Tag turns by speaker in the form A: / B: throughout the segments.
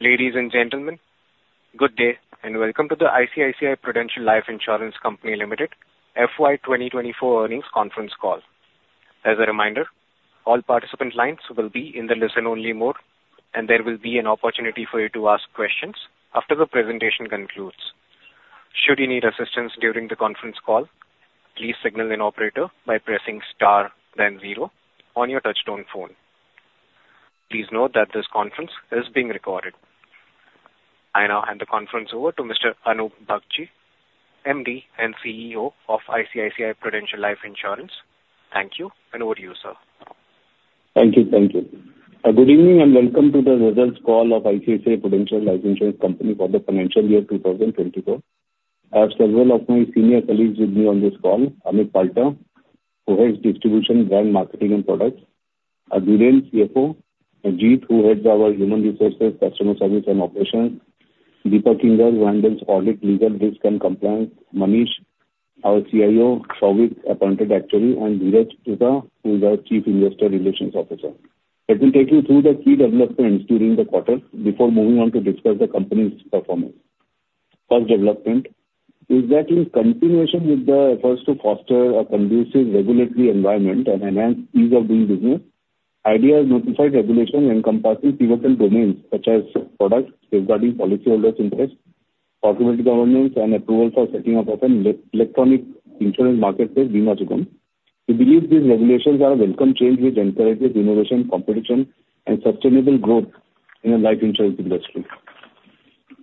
A: Ladies and gentlemen, good day and welcome to the ICICI Prudential Life Insurance Company Limited FY 2024 earnings conference call. As a reminder, all participant lines will be in the listen-only mode, and there will be an opportunity for you to ask questions after the presentation concludes. Should you need assistance during the conference call, please signal an operator by pressing star then zero on your touch-tone phone. Please note that this conference is being recorded. I now hand the conference over to Mr. Anup Bagchi, MD and CEO of ICICI Prudential Life Insurance. Thank you, and over to you, sir.
B: Thank you, thank you. Good evening and welcome to the results call of ICICI Prudential Life Insurance Company for the financial year 2024. I have several of my senior colleagues with me on this call: Amit Palta, who heads distribution, brand marketing, and products; Dhiren, CFO; Jit, who heads our human resources, customer service, and operations; Deepak Kinger, who handles audit, legal, risk, and compliance; Manish, our CIO; Sourav, appointed actuary; and Dhiren Chatwani, who is our chief investor relations officer. I will take you through the key developments during the quarter before moving on to discuss the company's performance. First development is that in continuation with the efforts to foster a conducive, regulatory environment and enhance ease of doing business, IRDAI notified regulation encompassing pivotal domains such as product, safeguarding policyholders' interests, automated governance, and approval for setting up an electronic insurance marketplace, Bima Sugam. We believe these regulations are a welcome change which encourages innovation, competition, and sustainable growth in the life insurance industry.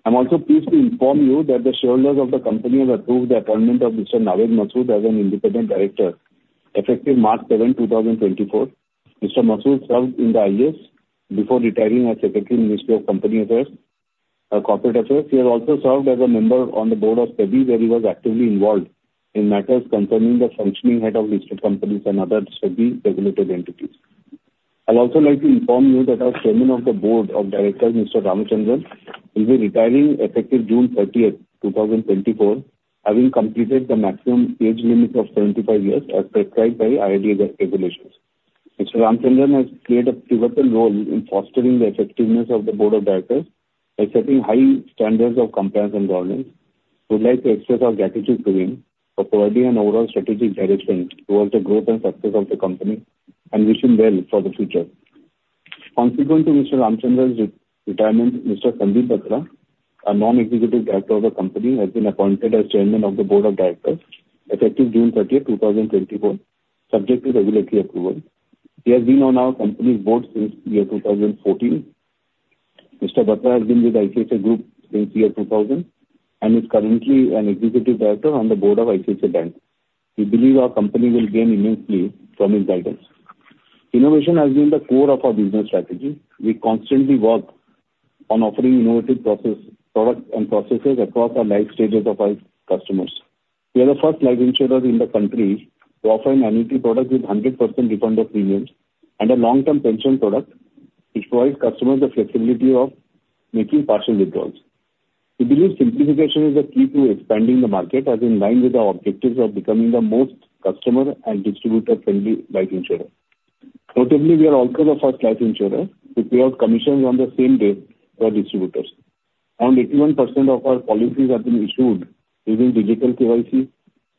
B: I'm also pleased to inform you that the shareholders of the company have approved the appointment of Mr. Naved Masood as an independent director, effective March 7, 2024. Mr. Masood served in the IAS before retiring as Secretary of the Ministry of Corporate Affairs. He has also served as a member on the board of SEBI, where he was actively involved in matters concerning the functioning of listed companies and other SEBI-regulated entities. I'd also like to inform you that our Chairman of the Board of Directors, Mr. Ramachandran, will be retiring effective June 30, 2024, having completed the maximum age limit of 75 years as prescribed by IRDAI regulations. Mr. Ramachandran has played a pivotal role in fostering the effectiveness of the board of directors by setting high standards of compliance and governance. We would like to express our gratitude to him for providing an overall strategic direction towards the growth and success of the company, and wish him well for the future. Consequent to Mr. Ramachandran's retirement, Mr. Sandeep Batra, a non-executive director of the company, has been appointed as chairman of the board of directors, effective June 30, 2024, subject to regulatory approval. He has been on our company's board since year 2014. Mr. Batra has been with ICICI Group since year 2000 and is currently an executive director on the board of ICICI Bank. We believe our company will gain immensely from his guidance. Innovation has been the core of our business strategy. We constantly work on offering innovative products and processes across all life stages of our customers. We are the first life insurers in the country to offer an annuity product with 100% refund of premiums and a long-term pension product which provides customers the flexibility of making partial withdrawals. We believe simplification is the key to expanding the market, as in line with our objectives of becoming the most customer and distributor-friendly life insurer. Notably, we are also the first life insurers to pay out commissions on the same day to our distributors. Around 81% of our policies have been issued using digital KYC.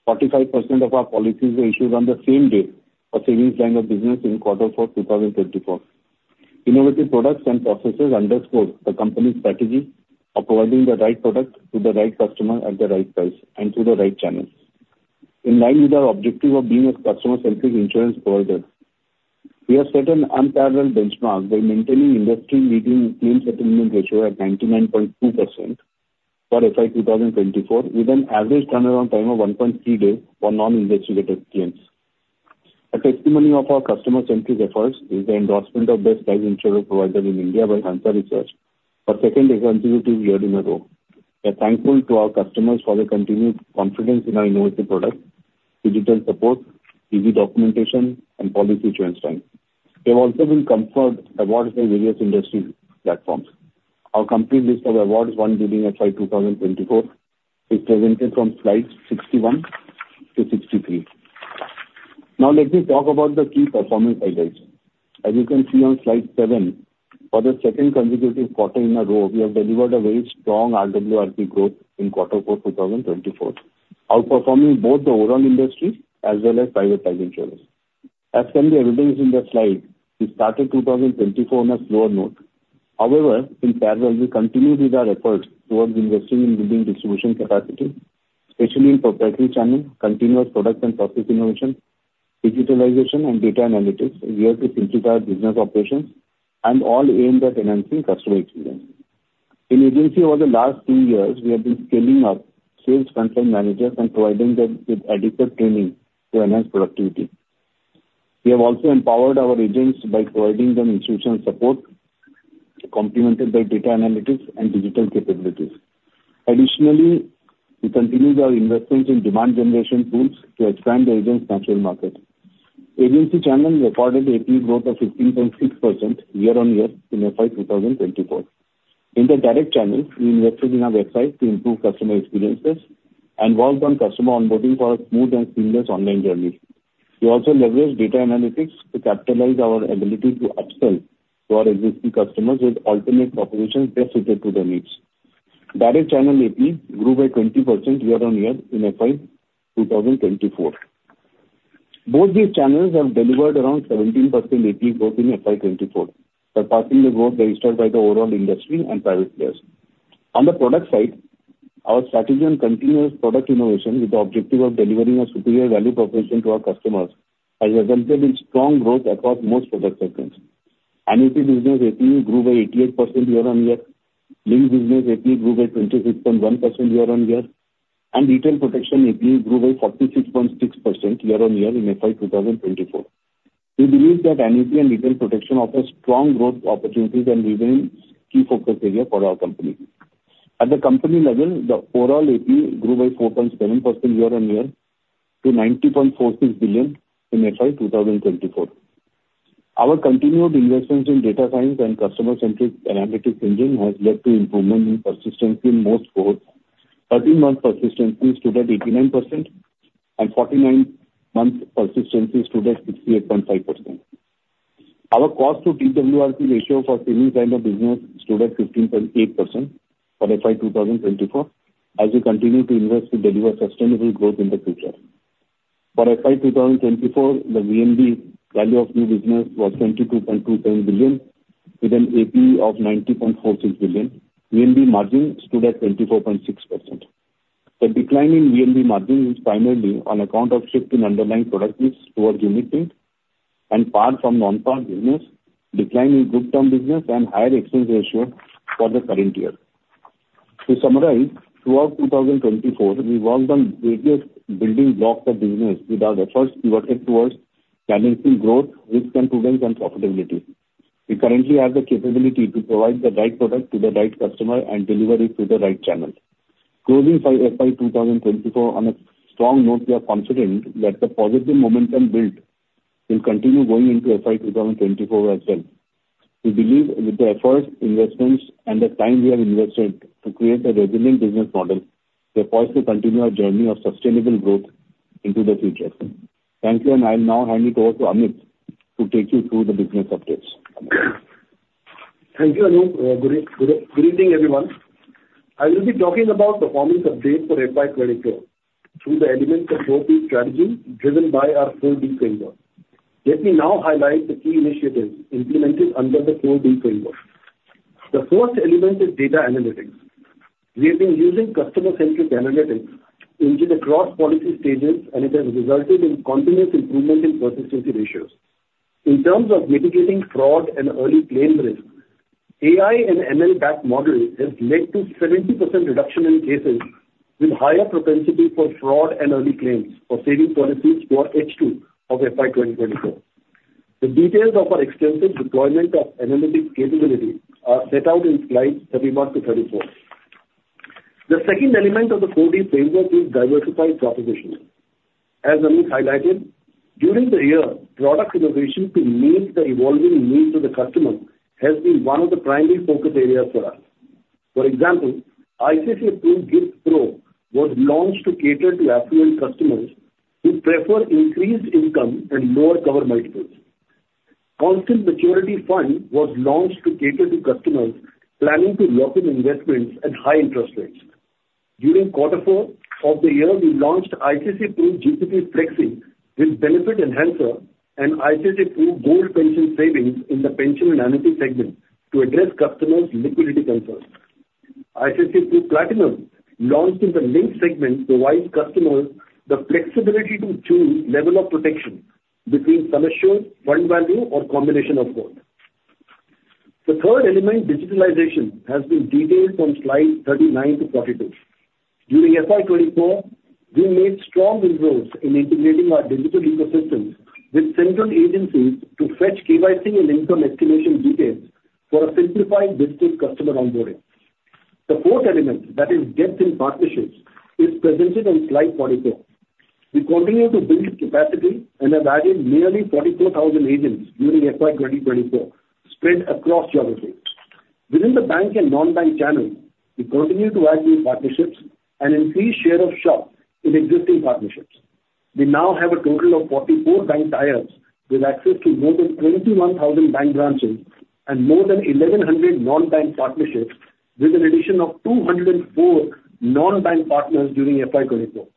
B: 45% of our policies were issued on the same day for savings line of business in quarter four 2024. Innovative products and processes underscore the company's strategy of providing the right product to the right customer at the right price and through the right channels, in line with our objective of being a customer-centric insurance provider. We have set an unparalleled benchmark by maintaining industry-leading claim settlement ratio at 99.2% for FY 2024, with an average turnaround time of 1.3 days for non-investigative claims. A testimony of our customer-centric efforts is the endorsement of the best life insurance provider in India by Hansa Research for the second consecutive year in a row. We are thankful to our customers for their continued confidence in our innovative products, digital support, easy documentation, and policy issuance time. They have also been conferred awards by various industry platforms. Our complete list of awards won during FY 2024 is presented from slides 61-63. Now, let me talk about the key performance highlights. As you can see on slide seven, for the second consecutive quarter in a row, we have delivered a very strong RWRP growth in quarter four 2024, outperforming both the overall industry as well as private life insurers. As can be evidenced in the slide, we started 2024 on a slower note. However, in parallel, we continue with our efforts towards investing in building distribution capacity, especially in proprietary channel, continuous product and process innovation, digitalization, and data analytics here to simplify business operations, and all aimed at enhancing customer experience. In agency over the last two years, we have been scaling up sales frontline managers and providing them with adequate training to enhance productivity. We have also empowered our agents by providing them institutional support complemented by data analytics and digital capabilities. Additionally, we continue our investments in demand generation tools to expand the agent's natural market. Agency channel recorded AP growth of 15.6% year-on-year in FY 2024. In the direct channels, we invested in our website to improve customer experiences and worked on customer onboarding for a smooth and seamless online journey. We also leveraged data analytics to capitalize on our ability to upsell to our existing customers with alternate propositions best suited to their needs. Direct channel AP grew by 20% year-on-year in FY 2024. Both these channels have delivered around 17% AP growth in FY 2024, surpassing the growth registered by the overall industry and private players. On the product side, our strategy on continuous product innovation with the objective of delivering a superior value proposition to our customers has resulted in strong growth across most product segments. Annuity business AP grew by 88% year-on-year. Linked business AP grew by 26.1% year-on-year, and retail protection AP grew by 46.6% year-on-year in FY 2024. We believe that annuity and retail protection offer strong growth opportunities and remain key focus areas for our company. At the company level, the overall AP grew by 4.7% year-on-year to 90.46 billion in FY 2024. Our continued investments in data science and customer-centric analytics engine have led to improvement in persistency in most growth. 13-month persistency stood at 89%, and 49-month persistency stood at 68.5%. Our cost-to-TWRP ratio for savings line of business stood at 15.8% for FY 2024, as we continue to invest to deliver sustainable growth in the future. For FY 2024, the VNB value of new business was 22.27 billion, with an AP of 90.46 billion. VNB margin stood at 24.6%. The decline in VNB margin is primarily on account of shift in underlying product mix towards unit-linked and par from non-par business, decline in group term business, and higher expense ratio for the current year. To summarize, throughout 2024, we worked on various building blocks of business with our efforts pivoted towards balancing growth, risk improvement, and profitability. We currently have the capability to provide the right product to the right customer and deliver it to the right channel. Closing FY 2024 on a strong note, we are confident that the positive momentum built will continue going into FY 2025 as well. We believe with the efforts, investments, and the time we have invested to create a resilient business model, we are poised to continue our journey of sustainable growth into the future. Thank you, and I'll now hand it over to Amit to take you through the business updates.
C: Thank you, Anup. Good evening, everyone. I will be talking about performance updates for FY 2024 through the elements of 4P strategy driven by our 4D framework. Let me now highlight the key initiatives implemented under the 4D framework. The first element is data analytics. We have been using customer-centric analytics engine across policy stages, and it has resulted in continuous improvement in persistency ratios. In terms of mitigating fraud and early claims risk, AI and ML-backed model has led to 70% reduction in cases with higher propensity for fraud and early claims for savings policies toward H2 of FY 2024. The details of our extensive deployment of analytics capability are set out in slides 31-34. The second element of the 4D framework is diversified proposition. As Anup highlighted, during the year, product innovation to meet the evolving needs of the customer has been one of the primary focus areas for us. For example, ICICI Pru GIFT Pro was launched to cater to affluent customers who prefer increased income and lower cover multiples. ICICI Pru Constant Maturity Fund was launched to cater to customers planning to lock in investments at high interest rates. During quarter four of the year, we launched ICICI Pru GPP Flexi with benefit enhancer and ICICI Pru Gold Pension Savings in the pension and annuity segment to address customers' liquidity concerns. ICICI Pru Platinum, launched in the linked segment, provides customers the flexibility to choose level of protection between sum assured, fund value, or combination of both. The third element, digitalization, has been detailed on slides 39-42. During FY 2024, we made strong inroads in integrating our digital ecosystem with central agencies to fetch KYC and income estimation details for a simplified digital customer onboarding. The fourth element, that is depth in partnerships, is presented on slide 44. We continue to build capacity and have added nearly 44,000 agents during FY 2024 spread across geographies. Within the bank and non-bank channels, we continue to add new partnerships and increase share of shops in existing partnerships. We now have a total of 44 bank ties with access to more than 21,000 bank branches and more than 1,100 non-bank partnerships with an addition of 204 non-bank partners during FY 2024.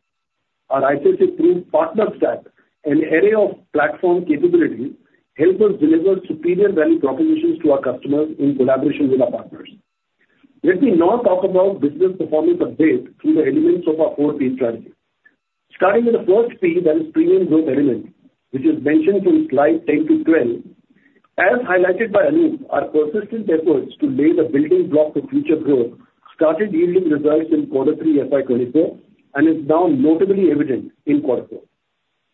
C: Our ICICI Pru Partner Stack, an array of platform capabilities, helps us deliver superior value propositions to our customers in collaboration with our partners. Let me now talk about business performance updates through the elements of our 4P strategy. Starting with the first P, that is premium growth element, which is mentioned from slide 10-12. As highlighted by Anup, our persistent efforts to lay the building block for future growth started yielding results in quarter three FY 2024 and is now notably evident in quarter four.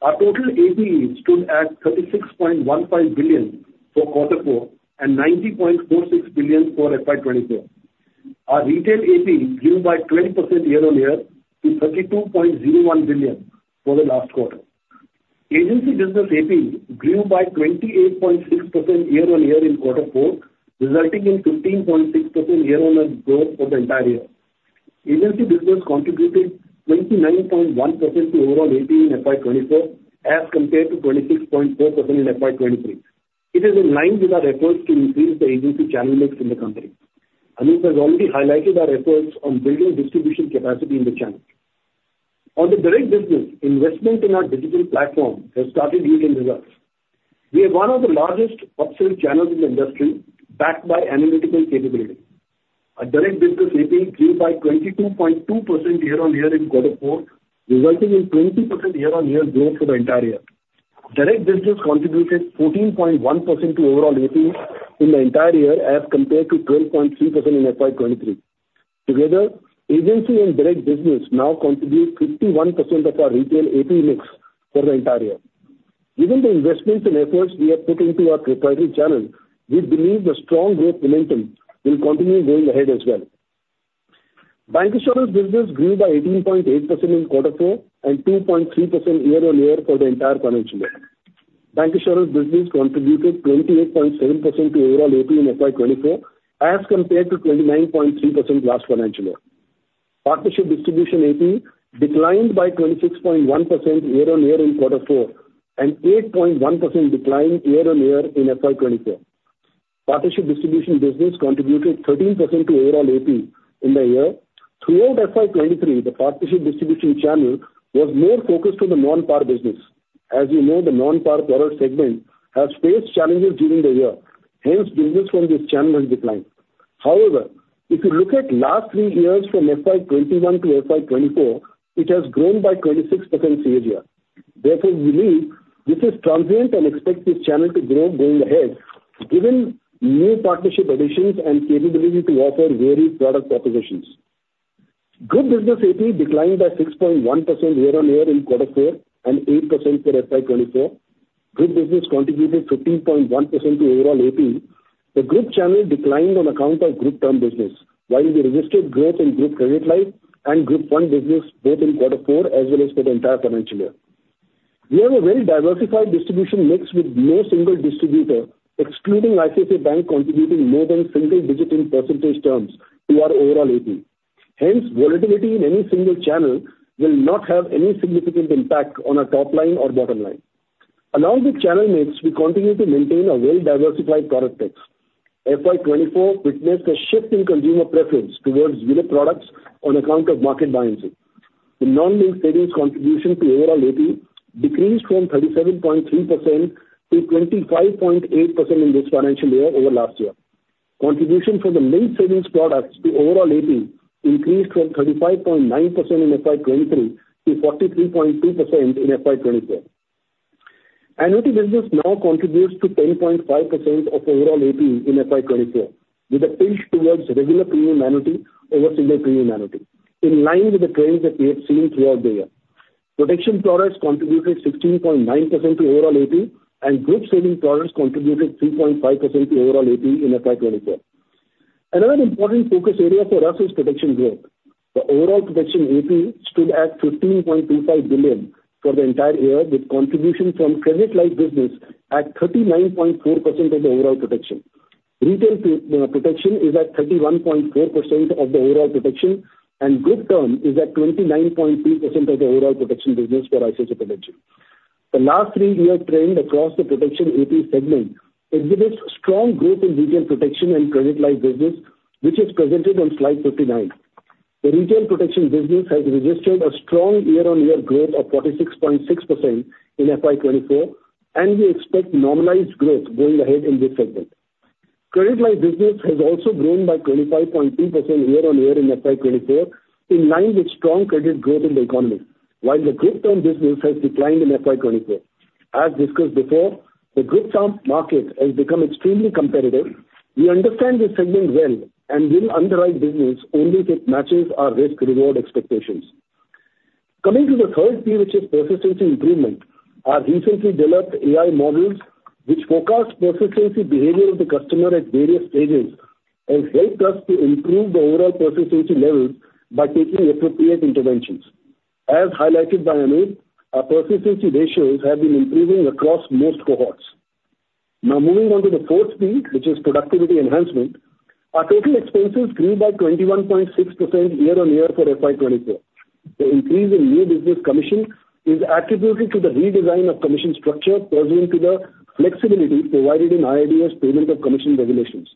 C: Our total AP stood at 36.15 billion for quarter four and 90.46 billion for FY 2024. Our retail AP grew by 12% year-on-year to 32.01 billion for the last quarter. Agency business AP grew by 28.6% year-on-year in quarter four, resulting in 15.6% year-on-year growth for the entire year. Agency business contributed 29.1% to overall AP in FY 2024 as compared to 26.4% in FY 2023. It is in line with our efforts to increase the agency channel mix in the company. Anup has already highlighted our efforts on building distribution capacity in the channel. On the direct business, investment in our digital platform has started yielding results. We are one of the largest upsell channels in the industry, backed by analytical capability. Our direct business AP grew by 22.2% year-on-year in quarter four, resulting in 20% year-on-year growth for the entire year. Direct business contributed 14.1% to overall AP in the entire year as compared to 12.3% in FY 2023. Together, agency and direct business now contribute 51% of our retail AP mix for the entire year. Given the investments and efforts we have put into our proprietary channel, we believe the strong growth momentum will continue going ahead as well. Bancassurance business grew by 18.8% in quarter four and 2.3% year on year for the entire financial year. Bancassurance business contributed 28.7% to overall AP in FY 2024 as compared to 29.3% last financial year. Partnership distribution AP declined by 26.1% year-on-year in quarter four and 8.1% decline year-on-year in FY 2024. Partnership distribution business contributed 13% to overall AP in the year. Throughout FY 2023, the partnership distribution channel was more focused on the non-par business. As you know, the non-par product segment has faced challenges during the year. Hence, business from this channel has declined. However, if you look at last three years from FY 2021-FY 2024, it has grown by 26% year-on-year. Therefore, we believe this is transient and expect this channel to grow going ahead given new partnership additions and capability to offer varied product propositions. Group business AP declined by 6.1% year-on-year in quarter four and 8% for FY 2024. Group business contributed 15.1% to overall AP. The group channel declined on account of group term business while we restricted growth in group credit life and group fund business both in quarter four as well as for the entire financial year. We have a very diversified distribution mix with no single distributor excluding ICICI Bank contributing more than single digit in percentage terms to our overall AP. Hence, volatility in any single channel will not have any significant impact on our top line or bottom line. Along with channel mix, we continue to maintain a well-diversified product mix. FY 2024 witnessed a shift in consumer preference towards unique products on account of market buoyancy. The non-linked savings contribution to overall AP decreased from 37.3%-25.8% in this financial year over last year. Contribution from the linked savings products to overall AP increased from 35.9% in FY 2023 to 43.2% in FY 2024. Annuity business now contributes to 10.5% of overall AP in FY 2024 with a pinch towards regular premium annuity over single premium annuity in line with the trends that we have seen throughout the year. Protection products contributed 16.9% to overall AP, and group savings products contributed 3.5% to overall AP in FY 2024. Another important focus area for us is protection growth. The overall protection AP stood at 15.25 billion for the entire year with contribution from credit life business at 39.4% of the overall protection. Retail protection is at 31.4% of the overall protection, and group term is at 29.2% of the overall protection business for ICICI Prudential. The last three-year trend across the protection AP segment exhibits strong growth in retail protection and credit life business, which is presented on slide 59. The retail protection business has registered a strong year-on-year growth of 46.6% in FY 2024, and we expect normalized growth going ahead in this segment. Credit life business has also grown by 25.2% year-on-year in FY 2024 in line with strong credit growth in the economy while the group term business has declined in FY 2024. As discussed before, the group term market has become extremely competitive. We understand this segment well and will underwrite business only if it matches our risk-reward expectations. Coming to the third P, which is persistency improvement, our recently developed AI models which forecast persistency behavior of the customer at various stages have helped us to improve the overall persistency levels by taking appropriate interventions. As highlighted by Anup, our persistency ratios have been improving across most cohorts. Now, moving on to the fourth P, which is productivity enhancement, our total expenses grew by 21.6% year on year for FY 2024. The increase in new business commission is attributed to the redesign of commission structure pursuant to the flexibility provided in IRDAI payment of commission regulations.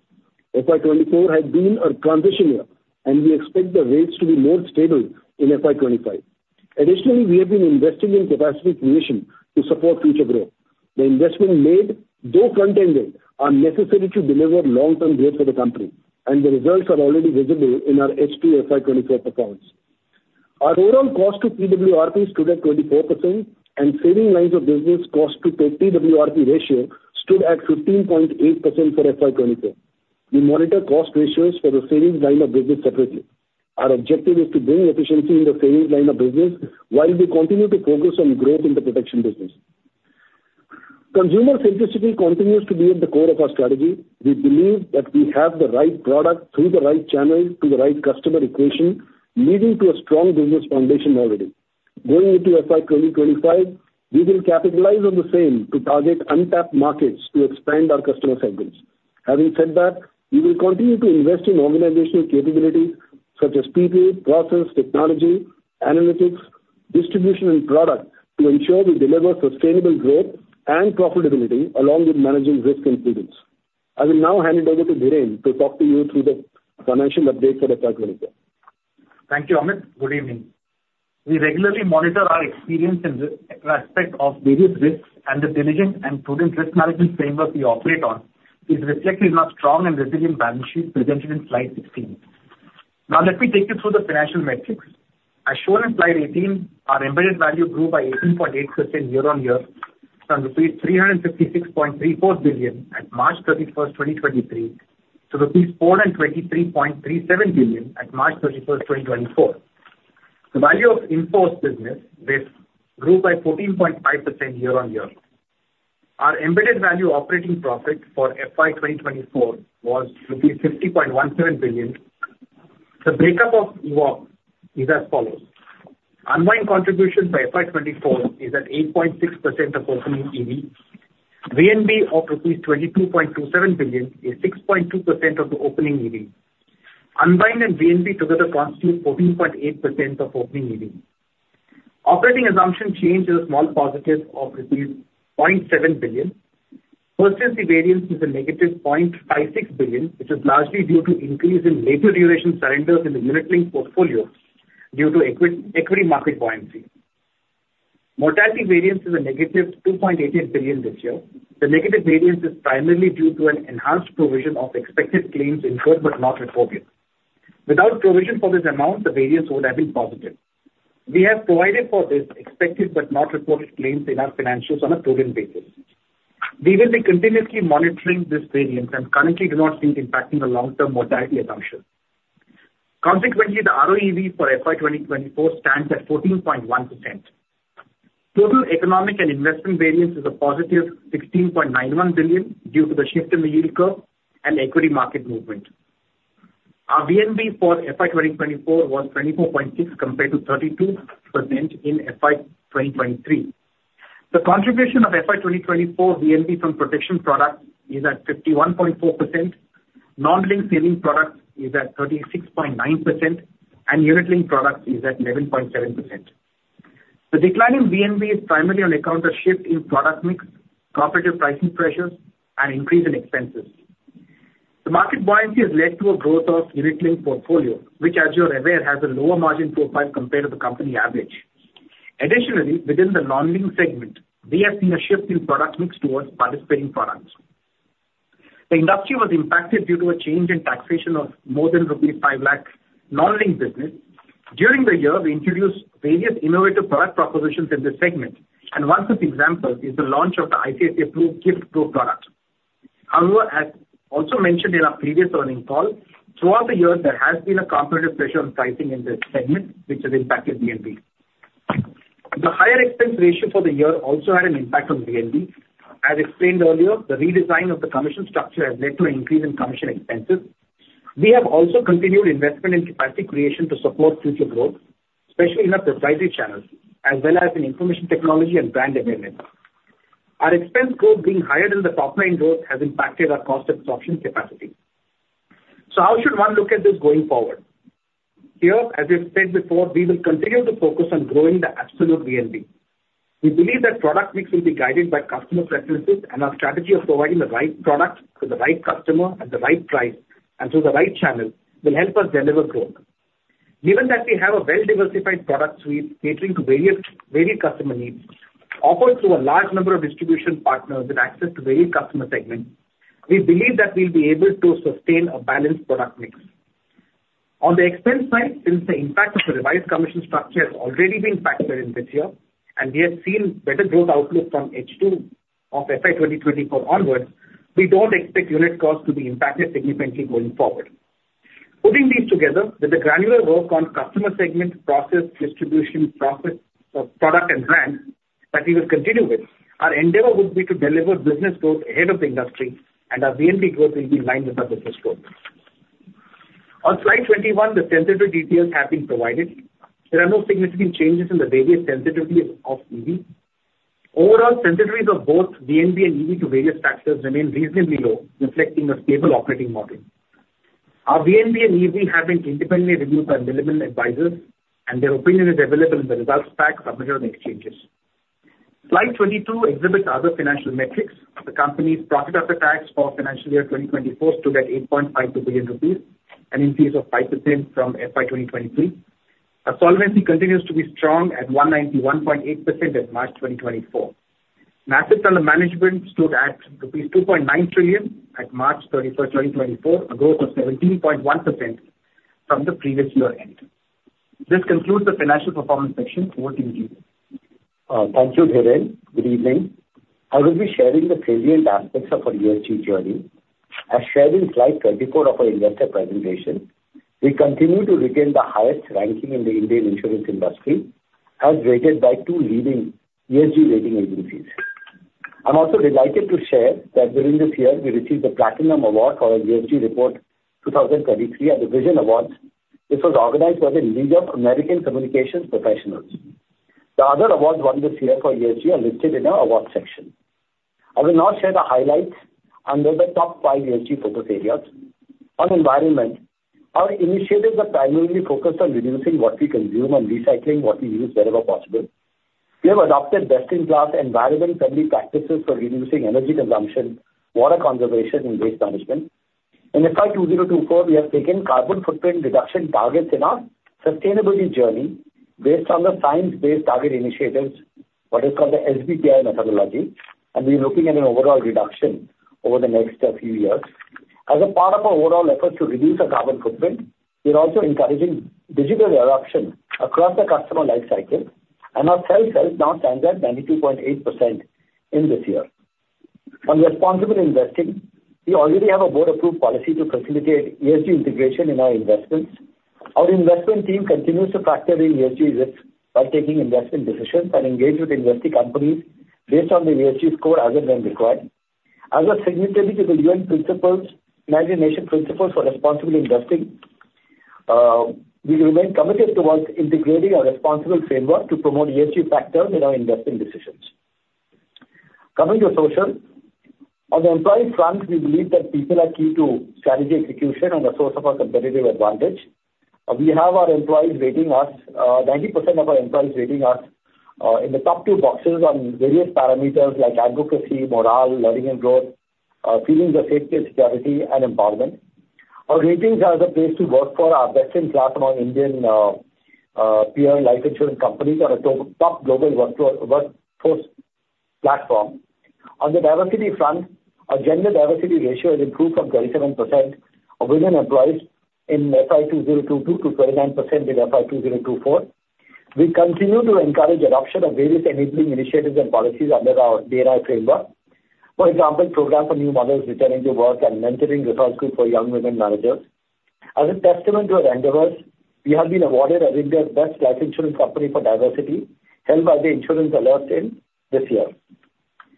C: FY 2024 has been a transition year, and we expect the rates to be more stable in FY 2025. Additionally, we have been investing in capacity creation to support future growth. The investment made, though front-ended, are necessary to deliver long-term growth for the company, and the results are already visible in our H2 FY 2024 performance. Our overall cost to TWRP stood at 24%, and savings lines of business cost to TWRP ratio stood at 15.8% for FY 2024. We monitor cost ratios for the savings line of business separately. Our objective is to bring efficiency in the savings line of business while we continue to focus on growth in the protection business. Consumer simplicity continues to be at the core of our strategy. We believe that we have the right product through the right channel to the right customer equation, leading to a strong business foundation already. Going into FY 2025, we will capitalize on the same to target untapped markets to expand our customer segments. Having said that, we will continue to invest in organizational capabilities such as people, process, technology, analytics, distribution, and product to ensure we deliver sustainable growth and profitability along with managing risk and prudence. I will now hand it over to Dhiren to talk to you through the financial updates for FY 2024.
D: Thank you, Amit. Good evening. We regularly monitor our experience in respect of various risks, and the diligent and prudent risk management framework we operate on is reflected in our strong and resilient balance sheet presented in slide 16. Now, let me take you through the financial metrics. As shown in slide 18, our embedded value grew by 18.8% year-on-year from rupees 356.34 billion at March 31st, 2023, to rupees 423.37 billion at March 31st, 2024. The value of in-force business risk grew by 14.5% year-on-year. Our embedded value operating profit for FY 2024 was rupees 50.17 billion. The breakup of EVOP is as follows. Unwind contribution by FY 24 is at 8.6% of opening EV. VNB of rupees 22.27 billion is 6.2% of the opening EV. Unwind and VNB together constitute 14.8% of opening EV. Operating assumption change is a small positive of rupees 0.7 billion. Percentage variance is a negative 0.56 billion, which is largely due to increase in later duration surrenders in the unit-linked portfolio due to equity market buoyancy. Mortality variance is a negative 2.88 billion this year. The negative variance is primarily due to an enhanced provision of expected claims incurred but not reported. Without provision for this amount, the variance would have been positive. We have provided for this expected but not reported claims in our financials on a prudent basis. We will be continuously monitoring this variance and currently do not see it impacting the long-term mortality assumption. Consequently, the ROEV for FY 2024 stands at 14.1%. Total economic and investment variance is a positive 16.91 billion due to the shift in the yield curve and equity market movement. Our VNB for FY 2024 was 24.6% compared to 32% in FY 2023. The contribution of FY 2024 VNB from protection products is at 51.4%. Non-linked savings products is at 36.9%, and unit-linked products is at 11.7%. The decline in VNB is primarily on account of shift in product mix, competitive pricing pressures, and increase in expenses. The market buoyancy has led to a growth of unit-linked portfolio, which, as you are aware, has a lower margin profile compared to the company average. Additionally, within the non-linked segment, we have seen a shift in product mix towards participating products. The industry was impacted due to a change in taxation of more than rupees 5 lakh non-linked business. During the year, we introduced various innovative product propositions in this segment, and one such example is the launch of the ICICI Pru GIFT Pro product. However, as also mentioned in our previous earnings call, throughout the year, there has been a competitive pressure on pricing in this segment, which has impacted VNB. The higher expense ratio for the year also had an impact on VNB. As explained earlier, the redesign of the commission structure has led to an increase in commission expenses. We have also continued investment in capacity creation to support future growth, especially in our proprietary channels as well as in information technology and brand awareness. Our expense growth being higher than the top line growth has impacted our cost absorption capacity. So how should one look at this going forward? Here, as we have said before, we will continue to focus on growing the absolute VNB. We believe that product mix will be guided by customer preferences, and our strategy of providing the right product to the right customer at the right price and through the right channel will help us deliver growth. Given that we have a well-diversified product suite catering to various customer needs, offered through a large number of distribution partners with access to various customer segments, we believe that we'll be able to sustain a balanced product mix. On the expense side, since the impact of the revised commission structure has already been factored in this year, and we have seen better growth outlook from H2 of FY 2024 onwards, we don't expect unit costs to be impacted significantly going forward. Putting these together with the granular work on customer segment, process, distribution, product, and brand that we will continue with, our endeavor would be to deliver business growth ahead of the industry, and our VNB growth will be in line with our business growth. On slide 21, the sensitive details have been provided. There are no significant changes in the various sensitivities of EV. Overall, sensitivities of both VNB and EV to various factors remain reasonably low, reflecting a stable operating model. Our VNB and EV have been independently reviewed by Milliman Advisors, and their opinion is available in the results pack submitted on the exchanges. Slide 22 exhibits other financial metrics. The company's profit after tax for financial year 2024 stood at 8.52 billion rupees, an increase of 5% from FY 2023. Our solvency continues to be strong at 191.8% at March 2024. Assets under management stood at rupees 2.9 trillion at March 31st, 2024, a growth of 17.1% from the previous year end. This concludes the financial performance section. Over to you, Jitendra.
E: Thank you, Dhiren. Good evening. I will be sharing the salient aspects of our ESG journey. As shared in slide 24 of our investor presentation, we continue to retain the highest ranking in the Indian insurance industry, as rated by two leading ESG rating agencies. I'm also delighted to share that during this year, we received the Platinum Award for our ESG Report 2023 at the Vision Awards. This was organized by the League of American Communications Professionals. The other awards won this year for ESG are listed in our awards section. I will now share the highlights under the top five ESG focus areas. On environment, our initiatives are primarily focused on reducing what we consume and recycling what we use wherever possible. We have adopted best-in-class environment-friendly practices for reducing energy consumption, water conservation, and waste management. In FY 2024, we have taken carbon footprint reduction targets in our sustainability journey based on the science-based target initiatives, what is called the SBTI methodology, and we are looking at an overall reduction over the next few years. As a part of our overall efforts to reduce our carbon footprint, we are also encouraging digital adoption across the customer lifecycle, and our sales health now stands at 92.8% in this year. On responsible investing, we already have a board-approved policy to facilitate ESG integration in our investments. Our investment team continues to factor in ESG risks by taking investment decisions and engage with investing companies based on the ESG score as and when required. As a signatory to the UN Principles for Responsible Investing, we remain committed towards integrating a responsible framework to promote ESG factors in our investing decisions. Coming to social, on the employee front, we believe that people are key to strategy execution and a source of our competitive advantage. We have 90% of our employees rating us in the top two boxes on various parameters like advocacy, morale, learning and growth, feelings of safety, security, and empowerment. Our ratings for the place to work are best-in-class among Indian peer life insurance companies on a top global workforce platform. On the diversity front, our gender diversity ratio has improved from 37% of women employees in FY 2022 to 29% in FY 2024. We continue to encourage adoption of various enabling initiatives and policies under our D&I framework. For example, programs for new mothers returning to work and mentoring resource group for young women managers. As a testament to our endeavors, we have been awarded as India's best life insurance company for diversity by Insurance Alert Inc. this year.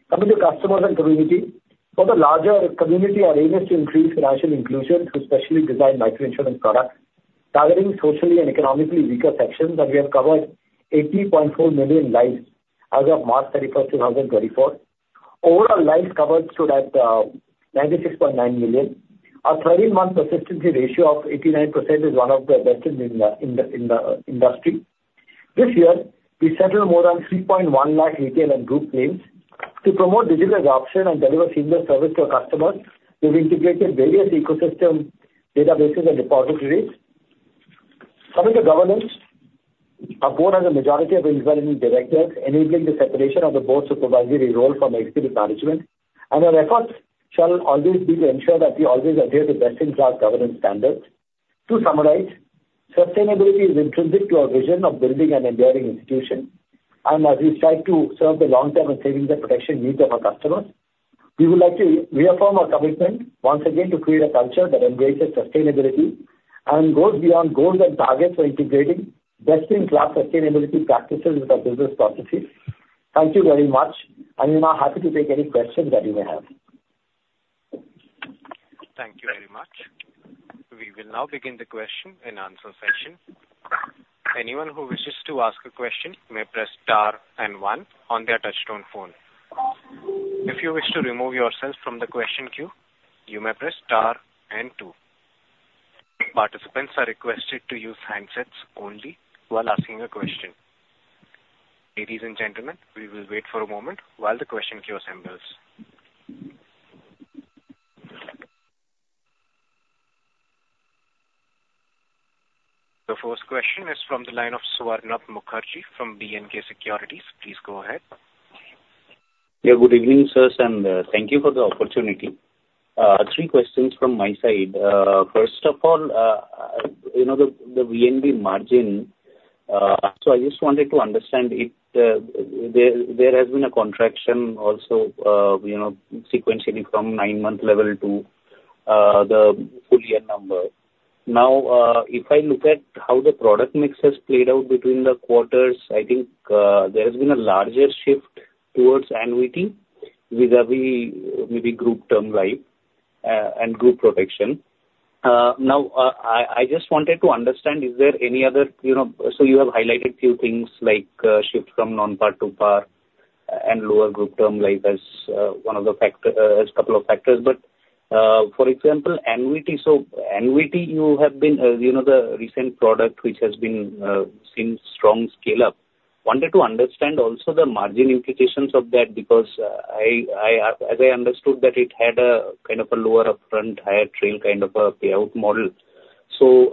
E: Coming to customers and community, for the larger community, our aim is to increase financial inclusion through specially designed life insurance products, targeting socially and economically weaker sections, and we have covered 80.4 million lives as of March 31st, 2024. Overall lives covered stood at 96.9 million. Our 13-month persistency ratio of 89% is one of the best in the industry. This year, we settled more than 310,000 retail and group claims to promote digital adoption and deliver seamless service to our customers. We've integrated various ecosystem databases and repositories. Coming to governance, our board has a majority of independent directors enabling the separation of the board supervisory role from executive management, and our efforts shall always be to ensure that we always adhere to best-in-class governance standards. To summarize, sustainability is intrinsic to our vision of building an enduring institution, and as we strive to serve the long-term and savings and protection needs of our customers, we would like to reaffirm our commitment once again to create a culture that embraces sustainability and goes beyond goals and targets for integrating best-in-class sustainability practices with our business processes. Thank you very much, and we're now happy to take any questions that you may have.
A: Thank you very much. We will now begin the question and answer session. Anyone who wishes to ask a question may press star and one on their touch-tone phone. If you wish to remove yourself from the question queue, you may press star and two. Participants are requested to use handsets only while asking a question. Ladies and gentlemen, we will wait for a moment while the question queue assembles. The first question is from the line of Swarnabha Mukherjee from B&K Securities. Please go ahead.
F: Yeah. Good evening, sirs, and thank you for the opportunity. Three questions from my side. First of all, the VNB margin, so I just wanted to understand, there has been a contraction also sequentially from nine-month level to the full-year number. Now, if I look at how the product mix has played out between the quarters, I think there has been a larger shift towards annuity with every maybe group term life and group protection. Now, I just wanted to understand, is there any other so you have highlighted a few things like shift from non-par to par and lower group term life as one of the factors as a couple of factors. But for example, annuity, so annuity, you have been the recent product which has seen strong scale-up. Wanted to understand also the margin implications of that because, as I understood, that it had kind of a lower upfront, higher trail kind of a payout model. So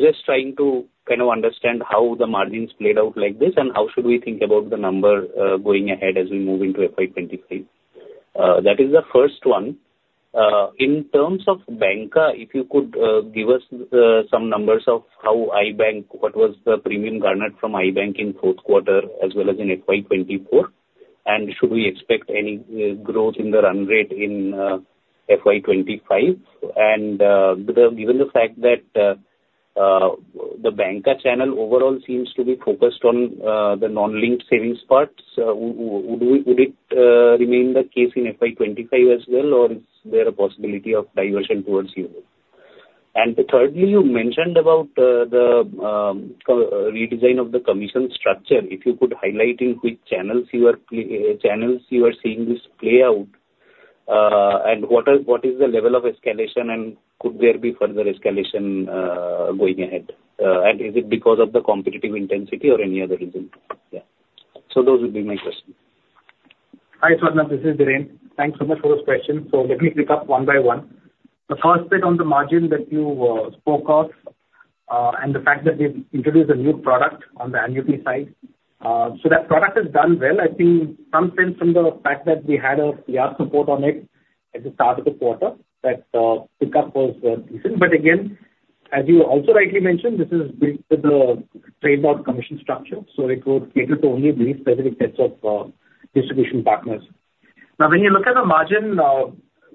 F: just trying to kind of understand how the margins played out like this and how should we think about the number going ahead as we move into FY 2023. That is the first one. In terms of Banca, if you could give us some numbers of how ICICI Bank, what was the premium garnered from ICICI Bank in fourth quarter as well as in FY 2024, and should we expect any growth in the run rate in FY 2025. Given the fact that the Banca channel overall seems to be focused on the non-linked savings parts, would it remain the case in FY 2025 as well, or is there a possibility of diversion towards ULIP? Thirdly, you mentioned about the redesign of the commission structure. If you could highlight in which channels you are seeing this play out and what is the level of escalation, and could there be further escalation going ahead? Is it because of the competitive intensity or any other reason? Yeah. Those would be my questions.
D: Hi, Swarnath. This is Dhiren. Thanks so much for those questions. So let me pick up one by one. The first bit on the margin that you spoke of and the fact that we've introduced a new product on the annuity side. So that product has done well. I think something from the fact that we had a PR support on it at the start of the quarter, that pickup was decent. But again, as you also rightly mentioned, this is built with a trade-off commission structure, so it would cater to only these specific sets of distribution partners. Now, when you look at the margin,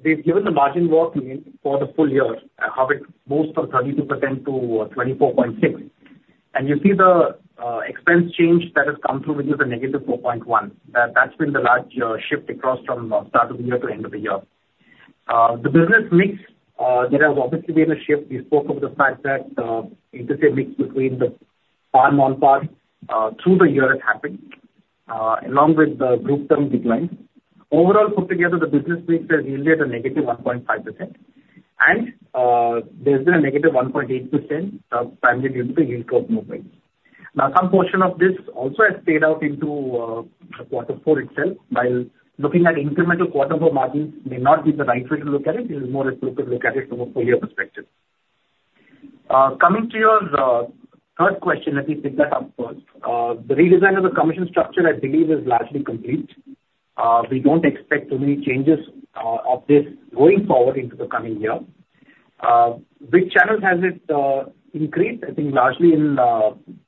D: we've given the margin mix for the full year, how it moves from 32%-24.6%. And you see the expense change that has come through with us is a -4.1%. That's been the large shift across from start of the year to end of the year. The business mix, there has obviously been a shift. We spoke of the fact that the interest rate mix between the par, non-par, through the year has happened along with the group term decline. Overall, put together, the business mix has yielded a negative 1.5%, and there's been a -1.8% primarily due to the yield growth movements. Now, some portion of this also has played out into the quarter four itself. While looking at incremental quarter four margins may not be the right way to look at it, it is more appropriate to look at it from a full-year perspective. Coming to your third question, let me pick that up first. The redesign of the commission structure, I believe, is largely complete. We don't expect too many changes of this going forward into the coming year. Which channels has it increased? I think largely in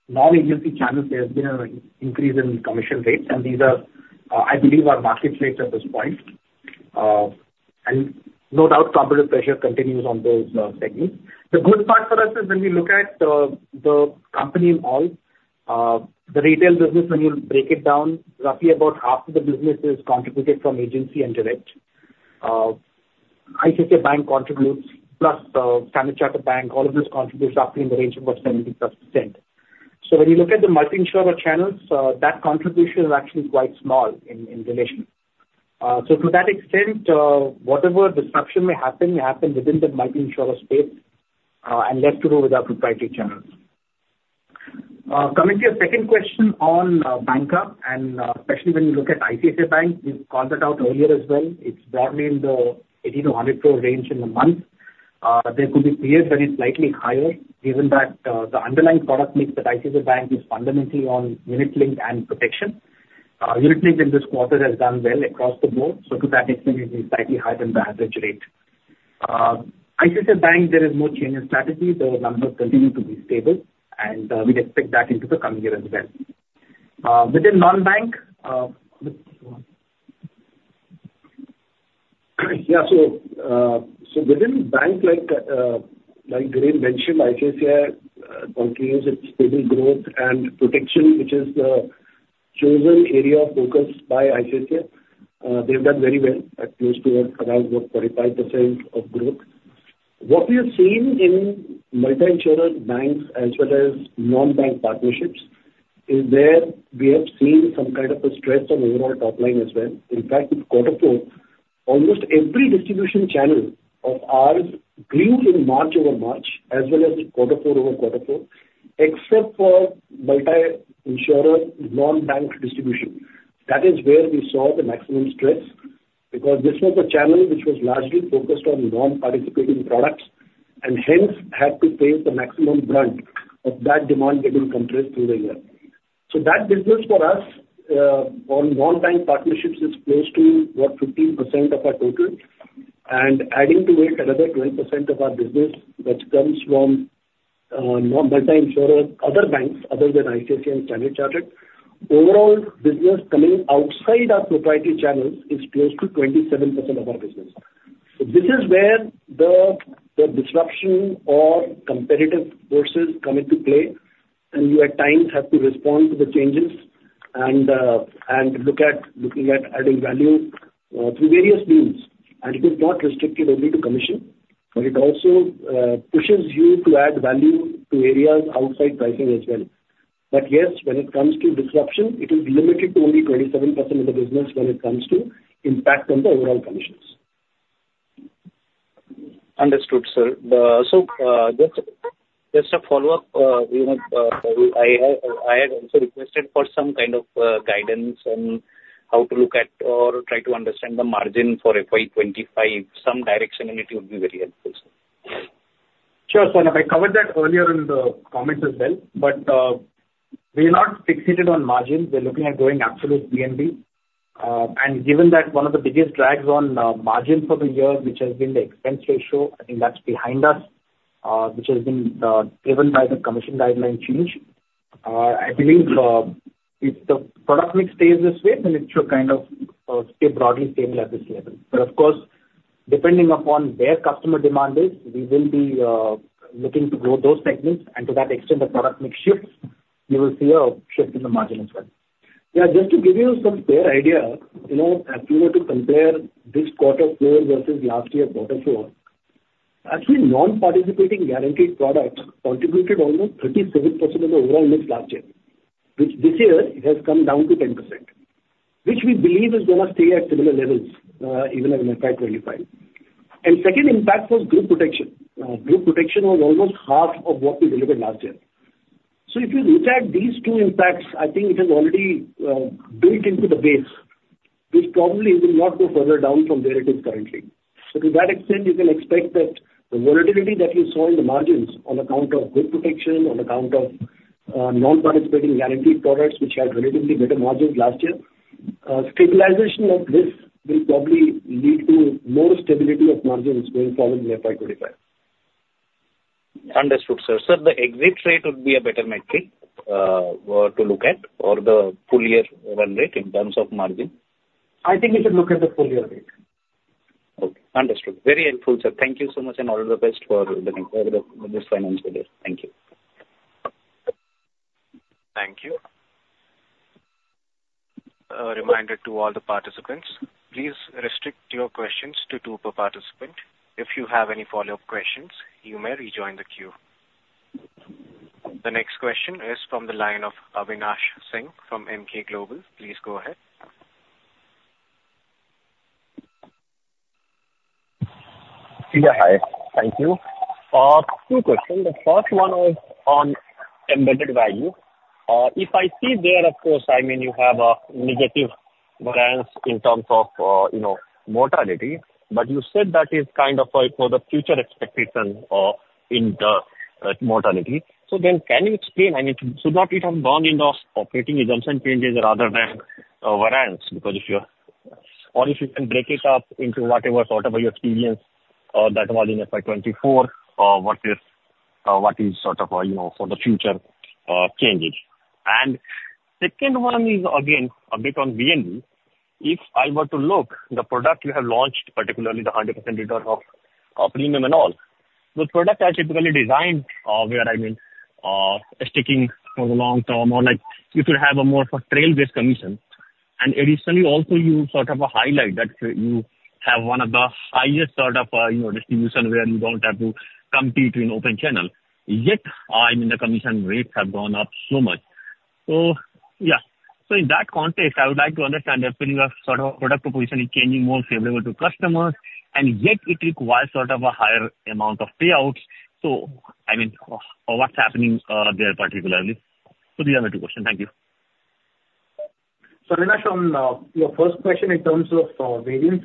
D: non-agency channels, there has been an increase in commission rates, and these are, I believe, our market rates at this point. And no doubt, competitive pressure continues on those segments. The good part for us is when we look at the company in all, the retail business, when you break it down, roughly about half of the business is contributed from agency and direct. ICICI Bank contributes, plus Standard Chartered Bank, all of this contributes roughly in the range of about 70%+. So when you look at the multi-insurer channels, that contribution is actually quite small in relation. So to that extent, whatever disruption may happen, it happens within the multi-insurer space and less to do with our proprietary channels. Coming to your second question on Banca, and especially when you look at ICICI Bank, we've called that out earlier as well. It's broadly in the 80-100 basis point range in a month. There could be periods when it's slightly higher given that the underlying product mix at ICICI Bank is fundamentally on unit-linked and protection. Unit-linked in this quarter has done well across the board. So to that extent, it is slightly higher than the average rate. ICICI Bank, there is no change in strategy. The numbers continue to be stable, and we'd expect that into the coming year as well. Within non-bank with. Yeah. So within bank, like Dhiren mentioned, ICICI continues its stable growth and protection, which is the chosen area of focus by ICICI. They've done very well at close to around about 45% of growth. What we have seen in multi-insurer banks as well as non-bank partnerships is where we have seen some kind of a stress on overall top line as well. In fact, in quarter four, almost every distribution channel of ours grew in March over March as well as in quarter four over quarter four, except for multi-insurer non-bank distribution. That is where we saw the maximum stress because this was a channel which was largely focused on non-participating products and hence had to face the maximum brunt of that demand getting compressed through the year. So that business for us on non-bank partnerships is close to about 15% of our total. And adding to it, another 12% of our business that comes from multi-insurer other banks other than ICICI and Standard Chartered, overall business coming outside our proprietary channels is close to 27% of our business. So this is where the disruption or competitive forces come into play, and you at times have to respond to the changes and look at adding value through various means. And it is not restricted only to commission, but it also pushes you to add value to areas outside pricing as well. But yes, when it comes to disruption, it is limited to only 27% of the business when it comes to impact on the overall commissions.
F: Understood, sir. So just a follow-up, I had also requested for some kind of guidance on how to look at or try to understand the margin for FY 2025. Some direction in it would be very helpful, sir.
D: Sure, Swarnath. I covered that earlier in the comments as well, but we are not fixated on margin. We're looking at growing absolute VNB. And given that one of the biggest drags on margin for the year, which has been the expense ratio, I think that's behind us, which has been driven by the commission guideline change. I believe if the product mix stays this way, then it should kind of stay broadly stable at this level. But of course, depending upon where customer demand is, we will be looking to grow those segments. And to that extent, the product mix shifts, you will see a shift in the margin as well. Yeah. Just to give you some fair idea, if you were to compare this quarter four versus last year's quarter four, actually, non-participating guaranteed products contributed almost 37% of the overall mix last year, which this year, it has come down to 10%, which we believe is going to stay at similar levels even in FY 2025. Second impact was group protection. Group protection was almost half of what we delivered last year. If you look at these two impacts, I think it has already built into the base. This probably will not go further down from where it is currently. So to that extent, you can expect that the volatility that you saw in the margins on account of good protection, on account of non-participating guaranteed products, which had relatively better margins last year, stabilization of this will probably lead to more stability of margins going forward in FY 2025.
F: Understood, sir. The exit rate would be a better metric to look at or the full-year run rate in terms of margin?
D: I think we should look at the full-year rate.
F: Okay. Understood. Very helpful, sir. Thank you so much and all the best for this financial year. Thank you.
A: Thank you. A reminder to all the participants, please restrict your questions to two per participant. If you have any follow-up questions, you may rejoin the queue. The next question is from the line of Avinash Singh from Emkay Global Financial Services. Please go ahead.
G: Yeah. Hi. Thank you. Two questions. The first one was on embedded value. If I see there, of course, I mean, you have a negative balance in terms of mortality, but you said that is kind of for the future expectation in mortality. So then can you explain, I mean, should not it have gone into operating assumption changes rather than variance? Because if you're or if you can break it up into whatever sort of your experience that was in FY 2024 or what is sort of for the future changes. And second one is, again, a bit on VNB. If I were to look, the product you have launched, particularly the 100% return of premium and all, the product is typically designed where, I mean, sticking for the long term or you could have a more trail-based commission. Additionally, also, you sort of highlight that you have one of the highest sort of distribution where you don't have to compete in open channel. Yet, I mean, the commission rates have gone up so much. So yeah. So in that context, I would like to understand if you have sort of a product proposition is changing more favorable to customers, and yet it requires sort of a higher amount of payouts. So I mean, what's happening there particularly? So these are my two questions.
D: Thank you. Avinash, on your first question in terms of variance,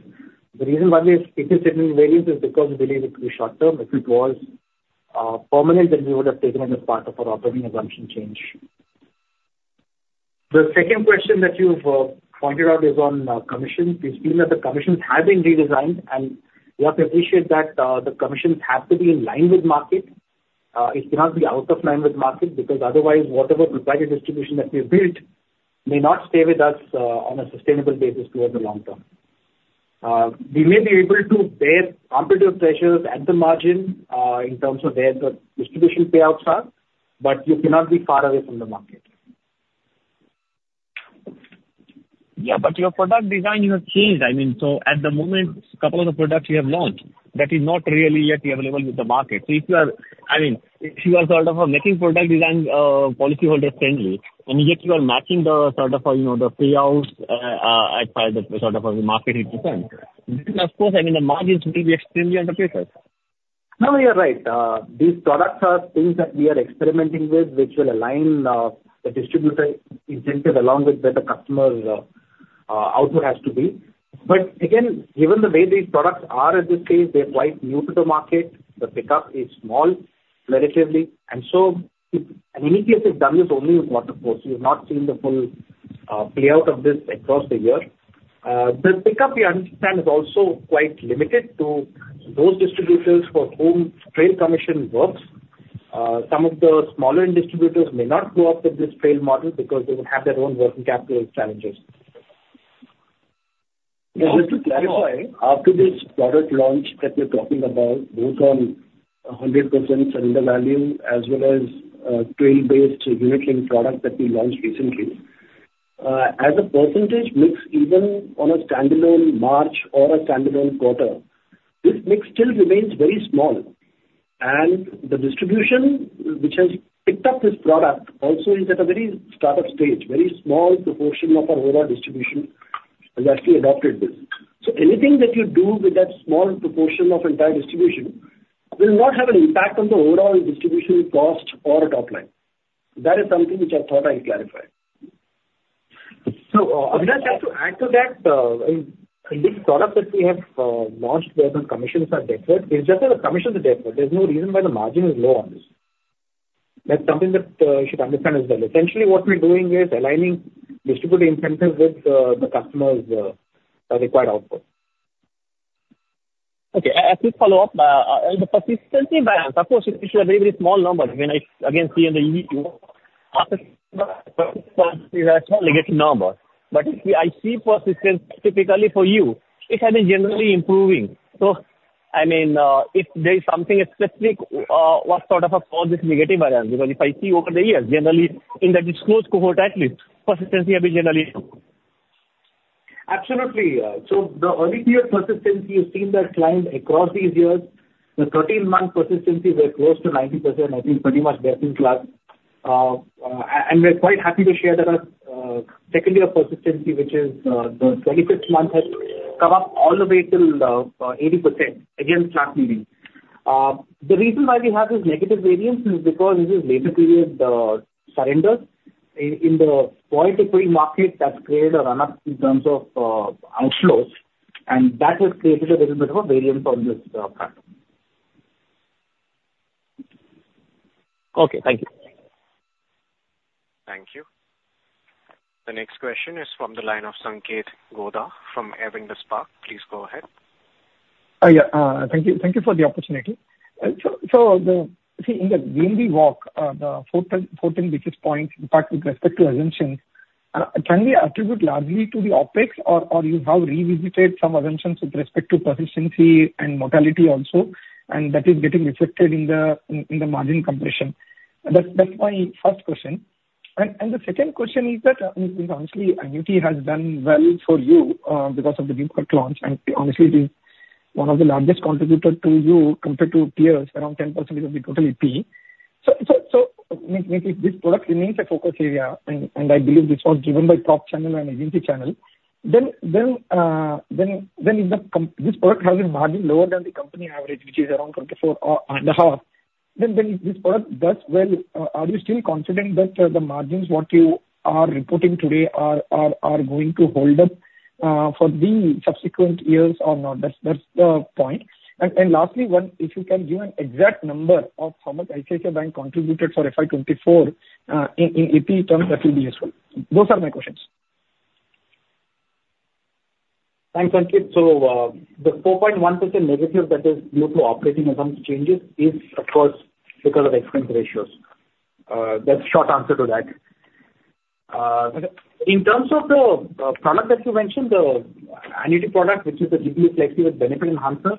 D: the reason why we're interested in variance is because we believe it will be short term. If it was permanent, then we would have taken it as part of our operating assumption change. The second question that you've pointed out is on commissions. We've seen that the commissions have been redesigned, and we have to appreciate that the commissions have to be in line with market. It cannot be out of line with market because otherwise, whatever proprietary distribution that we've built may not stay with us on a sustainable basis towards the long term. We may be able to bear competitive pressures at the margin in terms of where the distribution payouts are, but you cannot be far away from the market.
G: Yeah. But your product design has changed. I mean, so at the moment, a couple of the products you have launched, that is not really yet available with the market. So if you are I mean, if you are sort of making product design policyholder-friendly, and yet you are matching the sort of the payouts as part of the market interest, then, of course, I mean, the margins will be extremely under pressure.
D: No, no, you're right. These products are things that we are experimenting with, which will align the distributor incentive along with where the customer output has to be. But again, given the way these products are at this stage, they're quite new to the market. The pickup is small relatively. And so an ICICI has done this only in quarter four. So you've not seen the full playout of this across the year. The pickup, we understand, is also quite limited to those distributors for whom trail commission works. Some of the smaller distributors may not grow up with this trail model because they would have their own working capital challenges.
C: Just to clarify, after this product launch that you're talking about, both on 100% surrender value as well as trail-based unit-linked product that we launched recently, as a percentage mix, even on a standalone March or a standalone quarter, this mix still remains very small. And the distribution which has picked up this product also is at a very startup stage, very small proportion of our overall distribution has actually adopted this. So anything that you do with that small proportion of entire distribution will not have an impact on the overall distribution cost or top line. That is something which I thought I'd clarify.
D: So Avinash, just to add to that, this product that we have launched where the commissions are different, it's just that the commissions are different. There's no reason why the margin is low on this. That's something that you should understand as well. Essentially, what we're doing is aligning distributor incentives with the customer's required output.
G: Okay. I could follow up. The persistency variance, of course, it should be a very, very small number. I mean, again, see in the EV walk, it's a small negative number. But if I see persistence typically for you, it has been generally improving. So I mean, if there is something specific, what sort of a cause is negative variance? Because if I see over the years, generally, in the disclosed cohort at least, persistency has been generally low.
D: Absolutely. So the early-tier persistency, you've seen that climbed across these years. The 13 month persistency, we're close to 90%. I think pretty much best in class. And we're quite happy to share that a second-tier persistency, which is the 25th month, has come up all the way till 80% against last meeting. The reason why we have this negative variance is because this is later period surrenders in the point of peak market that's created a run-up in terms of outflows. And that has created a little bit of a variance on this front.
G: Okay. Thank you.
A: Thank you. The next question is from the line of Sanketh Godha from Avendus Spark. Please go ahead.
H: Yeah. Thank you for the opportunity. So see, in the VNB walk, the 14 biggest points, in fact, with respect to assumptions, can be attributed largely to the OpEx, or you have revisited some assumptions with respect to persistency and mortality also, and that is getting reflected in the margin compression. That's my first question. The second question is that, I mean, honestly, ICICI has done well for you because of the new product launch. And honestly, it is one of the largest contributors to you compared to peers, around 10% of the total APE. So if this product remains a focus area, and I believe this was driven by prop channel and agency channel, then if this product has a margin lower than the company average, which is around 24.5, then if this product does well, are you still confident that the margins, what you are reporting today, are going to hold up for the subsequent years or not? That's the point. And lastly, one, if you can give an exact number of how much ICICI Bank contributed for FY 2024 in APE terms, that will be useful. Those are my questions.
D: Thanks, Sanketh. So the -4.1% that is due to operating assumption changes is, of course, because of expense ratios. That's a short answer to that. In terms of the product that you mentioned, the ICICI product, which is the GIFT Pro flexible benefit enhancer,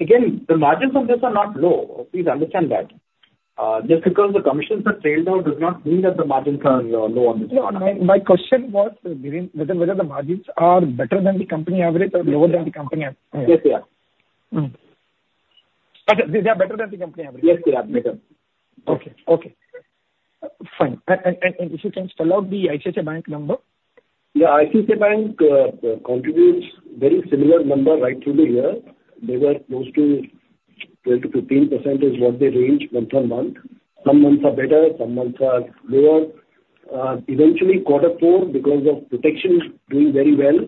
D: again, the margins on this are not low. Please understand that. Just because the commissions have trailed down does not mean that the margins are low on this product.
H: Yeah. My question was whether the margins are better than the company average or lower than the company average.
D: Yes, they are.
H: But they are better than the company average?
D: Yes, they are better.
H: Okay. Okay. Fine. And if you can spell out the ICICI Bank number.
C: Yeah. ICICI Bank contributes very similar number right through the year. They were close to 12%-15% is what they ranged month-on-month. Some months are better. Some months are lower. Eventually, quarter four, because of protection doing very well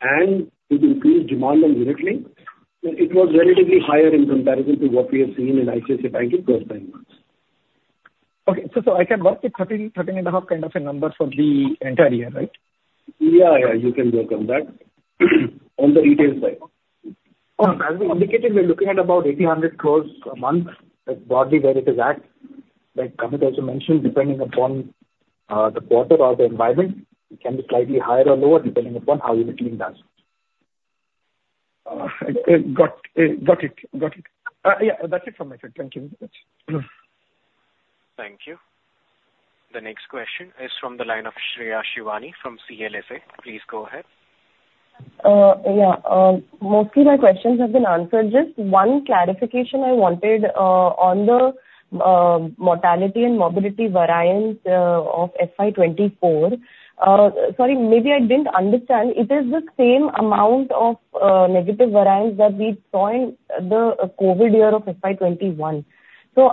C: and it increased demand on unit-linked, it was relatively higher in comparison to what we have seen in ICICI Bank in first nine months.
H: Okay. So I can work with 13.5 kind of a number for the entire year, right?
C: Yeah, yeah. You can work on that on the retail side.
D: As we indicated, we're looking at about 8,000 crore a month, broadly where it is at. Like Amit also mentioned, depending upon the quarter or the environment, it can be slightly higher or lower depending upon how unit-linked asks.
H: Got it. Got it. Yeah. That's it from my side. Thank you very much.
A: Thank you. The next question is from the line of Shreya Shivani from CLSA. Please go ahead.
I: Yeah. Mostly, my questions have been answered. Just one clarification I wanted on the mortality and morbidity variance of FY 2024. Sorry, maybe I didn't understand. It is the same amount of negative variance that we saw in the COVID year of FY 2021. So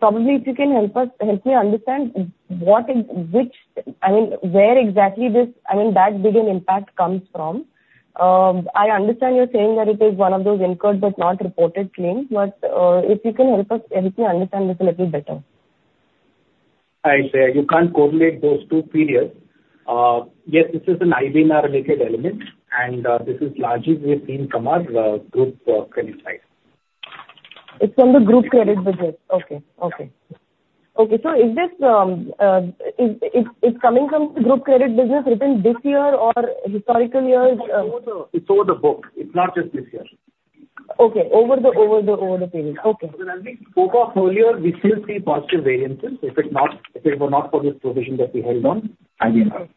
I: probably if you can help me understand which, I mean, where exactly this, I mean, that big an impact comes from. I understand you're saying that it is one of those incurred but not reported claims. But if you can help me understand this a little better?
D: I say you can't correlate those two periods. Yes, this is an IBNR-related element, and this is largely we've seen come out group credit side.
I: It's from the group credit business. Okay. Okay. Okay. So is this coming from the group credit business within this year or historical years?
D: It's over the book. It's not just this year.
I: Okay. Over the period. Okay.
D: As we spoke of earlier, we still see positive variances. If it were not for this provision that we held on IBNR.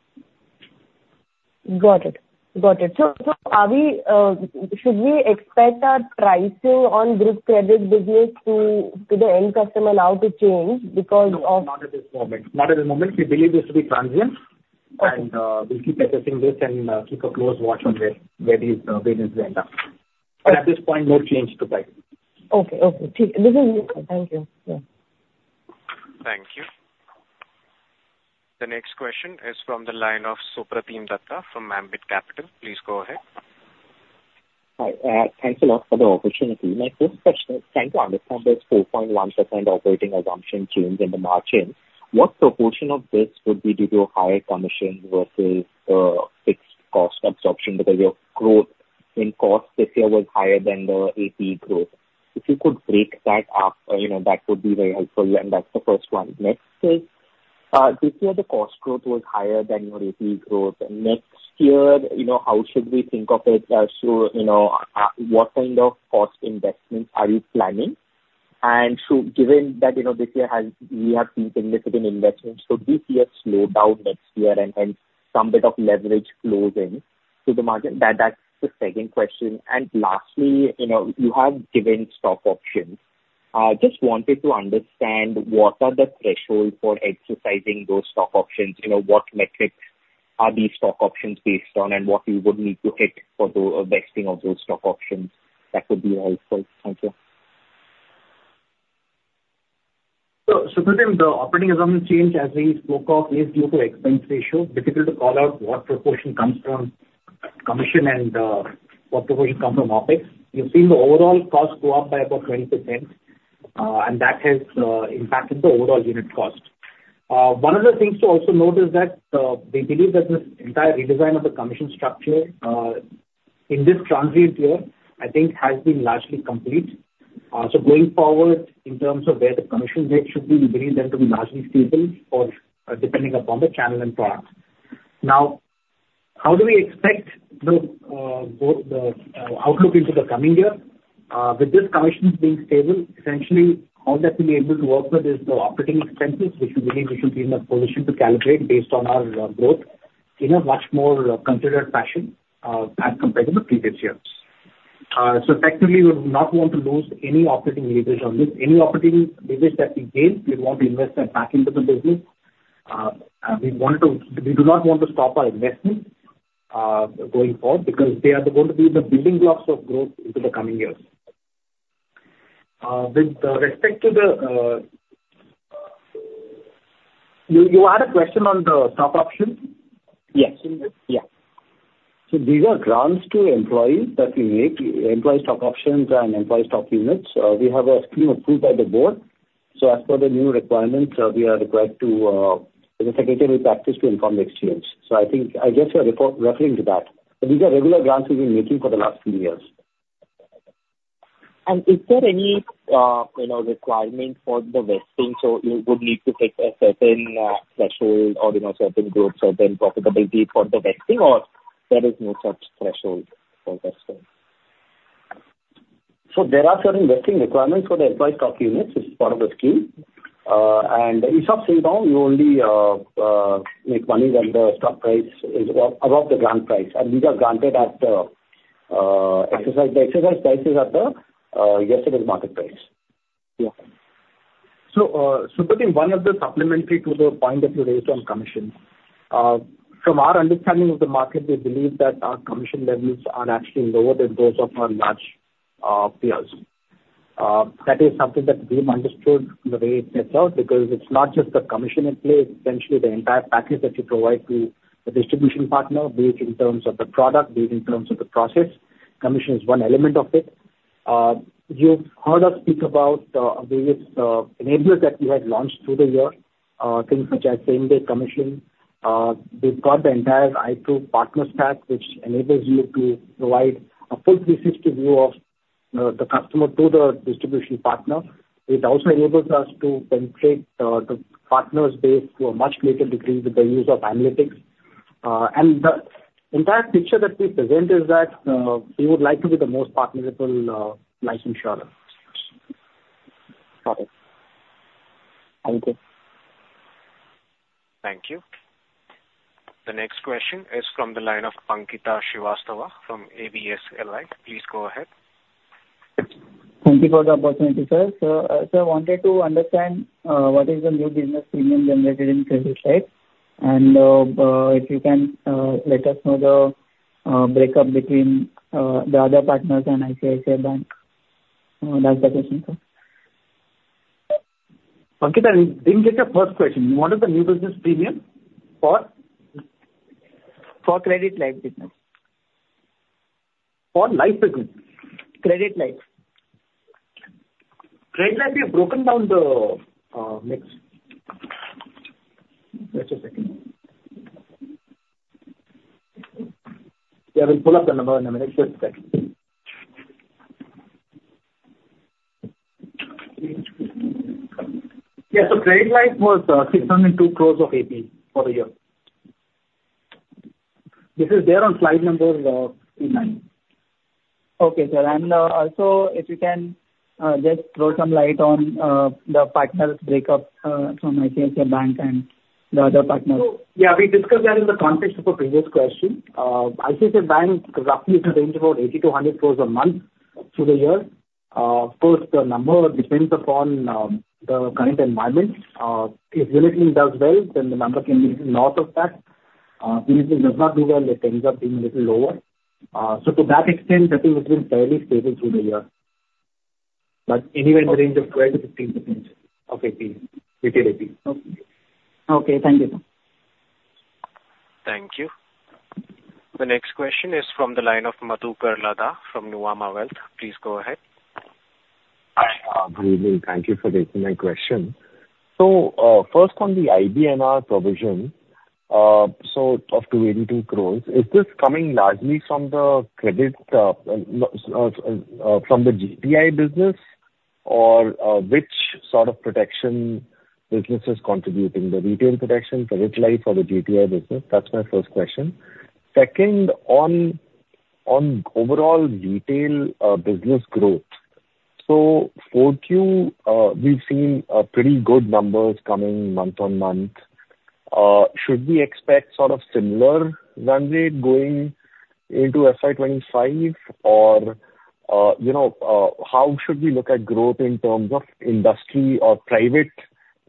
I: Got it. Got it. So should we expect our pricing on group credit business to the end customer now to change because of?
D: No, not at this moment. Not at the moment. We believe this to be transient, and we'll keep assessing this and keep a close watch on where these variances end up. But at this point, no change to price.
I: Okay. Okay. This is useful. Thank you. Yeah.
A: Thank you. The next question is from the line of Supratim Datta from Ambit Capital. Please go ahead.
J: Hi. Thanks a lot for the opportunity. My first question is trying to understand this 4.1% operating assumption change in the margins. What proportion of this would be due to higher commissions versus fixed cost absorption because your growth in cost this year was higher than the AP growth? If you could break that up, that would be very helpful. And that's the first one. Next is this year, the cost growth was higher than your AP growth. Next year, how should we think of it? So what kind of cost investments are you planning? And given that this year we have seen significant investments, could this year slow down next year and hence some bit of leverage flows into the market? That's the second question. And lastly, you have given stock options. Just wanted to understand what are the thresholds for exercising those stock options? What metrics are these stock options based on, and what you would need to hit for the vesting of those stock options? That would be helpful. Thank you.
D: So Supratim, the operating assumption change, as we spoke of, is due to expense ratio. Difficult to call out what proportion comes from commission and what proportion comes from OpEx. You've seen the overall cost go up by about 20%, and that has impacted the overall unit cost. One of the things to also note is that we believe that this entire redesign of the commission structure in this transient year, I think, has been largely complete. So going forward, in terms of where the commission rate should be, we believe them to be largely stable depending upon the channel and product. Now, how do we expect the outlook into the coming year? With these commissions being stable, essentially, all that we'll be able to work with is the operating expenses, which we believe we should be in a position to calibrate based on our growth in a much more considered fashion as compared to the previous year. So effectively, we would not want to lose any operating leverage on this. Any operating leverage that we gain, we'd want to invest that back into the business. We do not want to stop our investments going forward because they are going to be the building blocks of growth into the coming years. With respect to the, you had a question on the stock options?
J: Yes.
D: Yeah. So these are grants to employees that we make, employee stock options and employee stock units. We have a scheme approved by the board. So as per the new requirements, we are required to as a secretary, we practice to inform the exchange. So I guess you're referring to that. These are regular grants we've been making for the last few years.
J: Is there any requirement for the vesting? So you would need to hit a certain threshold or certain group, certain profitability for the vesting, or there is no such threshold for vesting?
D: There are certain vesting requirements for the employee stock units. It's part of the scheme. ESOP says, "No, you only make money when the stock price is above the grant price." These are granted at the exercise prices at yesterday's market price.
J: Yeah.
D: So Supratim, one of the supplementary to the point that you raised on commissions, from our understanding of the market, we believe that our commission levels are actually lower than those of our large peers. That is something that we've understood the way it sets out because it's not just the commission at play. Essentially, the entire package that you provide to the distribution partner, be it in terms of the product, be it in terms of the process, commission is one element of it. You've heard us speak about various enablers that we had launched through the year, things such as same-day commissioning. We've got the entire ICICI Pru Partner Stack, which enables you to provide a full 360 view of the customer to the distribution partner. It also enables us to penetrate the partners' base to a much greater degree with the use of analytics. The entire picture that we present is that we would like to be the most partnerable life insurer.
J: Got it. Thank you.
A: Thank you. The next question is from the line of Ankita Srivastava from ABSLI. Please go ahead.
K: Thank you for the opportunity, sir. So I wanted to understand what is the new business premium generated in credit life. And if you can let us know the breakup between the other partners and ICICI Bank. That's the question, sir.
D: Ankita, I didn't get your first question. You wanted the new business premium for
K: credit life business?
D: For life business?
K: Credit life.
D: Credit life. You've broken down the mix.
K: Just a second.
D: Yeah. We'll pull up the number in a minute. Just a second. Yeah. So credit life was 602 crore of AP for the year. This is there on slide number P9.
K: Okay, sir. And also, if you can just throw some light on the partners' breakup from ICICI Bank and the other partners.
D: So yeah, we discussed that in the context of a previous question. ICICI Bank roughly range about 80-100 crores a month through the year. Of course, the number depends upon the current environment. If unit-linked does well, then the number can be north of that. If unit-linked does not do well, it ends up being a little lower. So to that extent, I think it's been fairly stable through the year. But anyway, in the range of 12%-15% of retail AP.
K: Okay. Thank you, sir.
A: Thank you. The next question is from the line of Madhukar Ladha from Nuvama Wealth. Please go ahead.
L: Hi. Great. Thank you for taking my question. So first, on the IBNR provision, so of 282 crore, is this coming largely from the credit from the GTI business, or which sort of protection business is contributing, the retail protection, credit life, or the GTI business? That's my first question. Second, on overall retail business growth, so 4Q, we've seen pretty good numbers coming month-on-month. Should we expect sort of similar run rate going into FY 2025, or how should we look at growth in terms of industry or private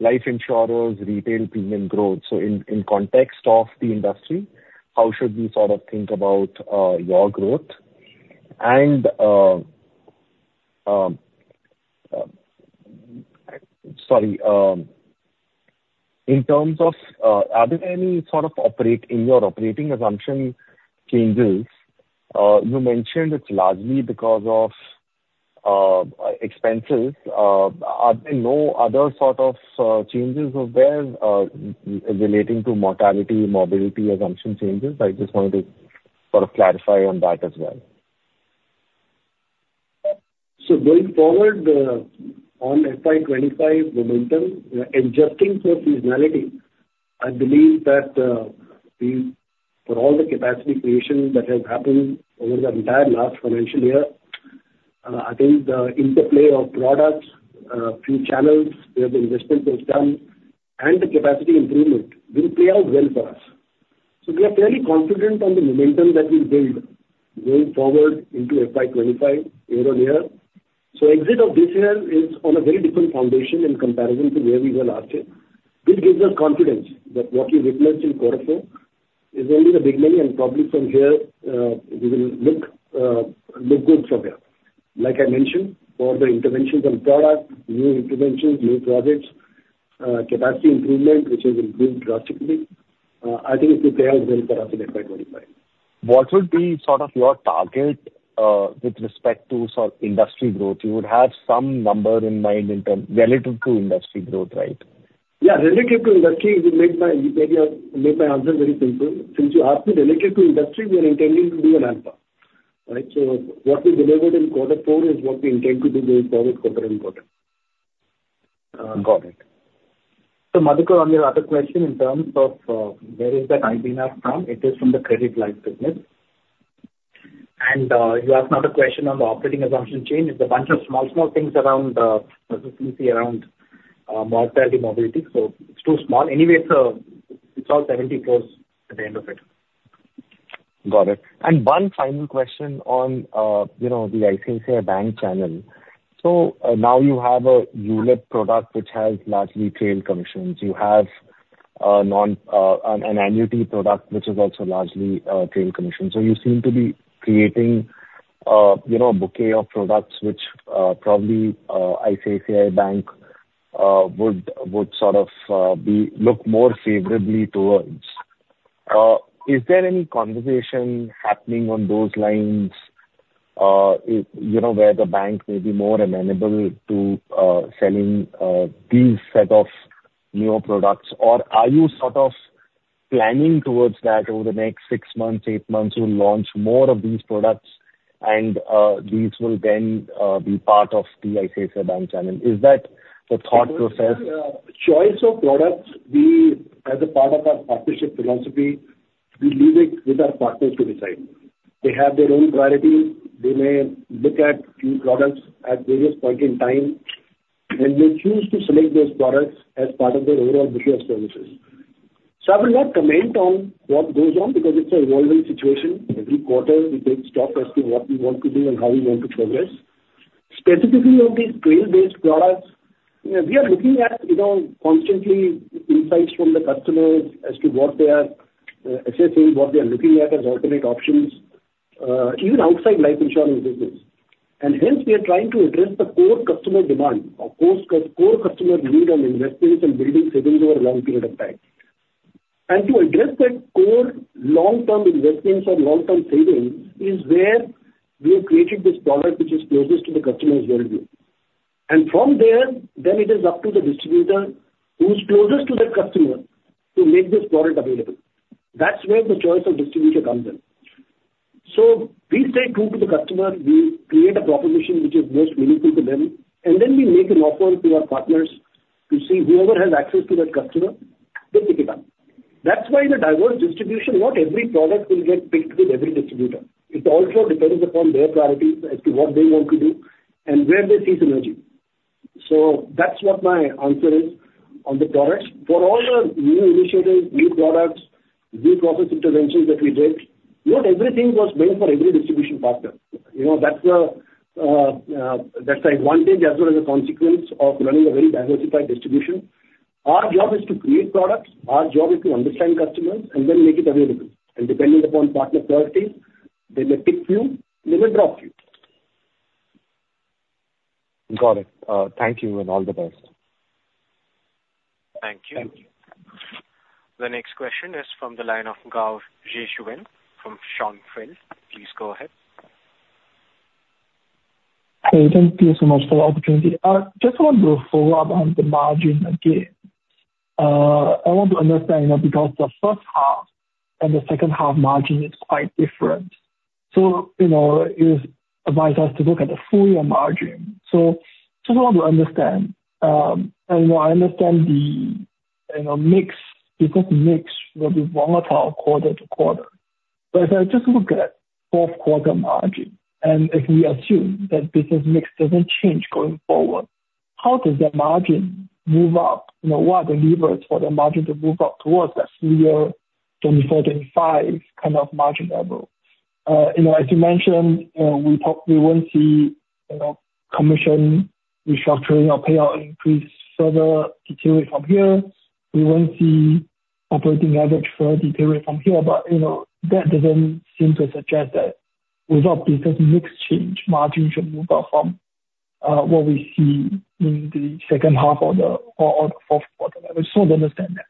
L: life insurers, retail premium growth? So in context of the industry, how should we sort of think about your growth? And sorry, in terms of are there any sort of in your operating assumption changes? You mentioned it's largely because of expenses. Are there no other sort of changes of where relating to mortality, morbidity assumption changes? I just wanted to sort of clarify on that as well.
C: So going forward on FY 2025 momentum, adjusting for seasonality, I believe that for all the capacity creation that has happened over the entire last financial year, I think the interplay of products, few channels where the investment was done, and the capacity improvement will play out well for us. So we are fairly confident on the momentum that we build going forward into FY 2025 year on year. So exit of this year is on a very different foundation in comparison to where we were last year. This gives us confidence that what you witnessed in Q4 FY is only the big money, and probably from here, we will look good from here. Like I mentioned, for the interventions on product, new interventions, new projects, capacity improvement, which has improved drastically, I think it will play out well for us in FY 2025.
L: What would be sort of your target with respect to sort of industry growth? You would have some number in mind relative to industry growth, right?
C: Yeah. Relative to industry, you made my answer very simple. Since you asked me relative to industry, we are intending to do an alpha, right? So what we delivered in quarter four is what we intend to do going forward quarter-over-quarter.
L: Got it.
C: So Madhukar, on your other question in terms of where is that IBNR from, it is from the credit life business. And you asked another question on the operating assumption change. It's a bunch of small, small things around persistency around mortality, mobility. So it's too small. Anyway, it's all 70 crore at the end of it.
L: Got it. And one final question on the ICICI Bank channel. So now you have a ULIP product, which has largely trail commissions. You have an annuity product, which is also largely trail commissions. So you seem to be creating a bouquet of products, which probably ICICI Bank would sort of look more favorably towards. Is there any conversation happening on those lines where the bank may be more amenable to selling these set of newer products, or are you sort of planning towards that over the next six months, eight months, you'll launch more of these products, and these will then be part of the ICICI Bank channel? Is that the thought process?
C: So choice of products, as a part of our partnership philosophy, we leave it with our partners to decide. They have their own priorities. They may look at few products at various points in time, and they choose to select those products as part of their overall bouquet of services. So I will not comment on what goes on because it's an evolving situation. Every quarter, we take stock as to what we want to do and how we want to progress. Specifically on these trail-based products, we are looking at constantly insights from the customers as to what they are assessing, what they are looking at as alternate options, even outside life insurance business. And hence, we are trying to address the core customer demand or core customer need on investments and building savings over a long period of time. And to address that core long-term investments or long-term savings is where we have created this product, which is closest to the customer's worldview. And from there, then it is up to the distributor who's closest to that customer to make this product available. That's where the choice of distributor comes in. So we stay true to the customer. We create a proposition which is most meaningful to them. And then we make an offer to our partners to see whoever has access to that customer, they pick it up. That's why in a diverse distribution, not every product will get picked with every distributor. It also depends upon their priorities as to what they want to do and where they see synergy. So that's what my answer is on the products. For all the new initiatives, new products, new process interventions that we did, not everything was meant for every distribution partner. That's an advantage as well as a consequence of running a very diversified distribution. Our job is to create products. Our job is to understand customers and then make it available. And depending upon partner priorities, they may pick few. They may drop few.
L: Got it. Thank you and all the best.
A: Thank you. The next question is from the line of Gaurav Jaiswal from Schonfeld Strategic Advisors. Please go ahead.
M: Hey, thank you so much for the opportunity. Just want to follow up on the margin again. I want to understand because the first half and the second half margin is quite different. So it advised us to look at the full-year margin. So just want to understand. And I understand the business mix will be volatile quarter to quarter. But if I just look at fourth-quarter margin, and if we assume that business mix doesn't change going forward, how does that margin move up? What are the levers for the margin to move up towards that full-year 2024-25 kind of margin level? As you mentioned, we won't see commission restructuring or payout increase further diluted from here. We won't see operating leverage further diluted from here. But that doesn't seem to suggest that without business mix change, margin should move up from what we see in the second half or the fourth quarter. I just want to understand that.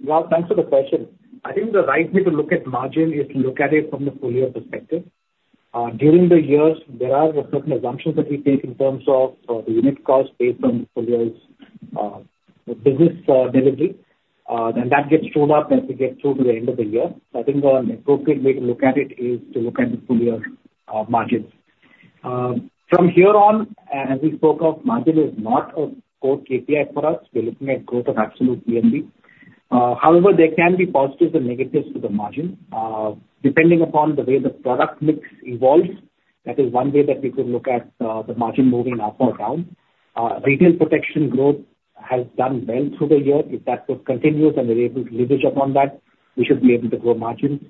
D: Yeah. Thanks for the question. I think the right way to look at margin is to look at it from the full-year perspective. During the years, there are certain assumptions that we take in terms of the unit cost based on the full-year's business delivery. And that gets torn up as we get through to the end of the year. So I think an appropriate way to look at it is to look at the full-year margins. From here on, as we spoke of, margin is not a core KPI for us. We're looking at growth of absolute VNB. However, there can be positives and negatives to the margin. Depending upon the way the product mix evolves, that is one way that we could look at the margin moving up or down. Retail protection growth has done well through the year. If that continues and we're able to leverage upon that, we should be able to grow margins.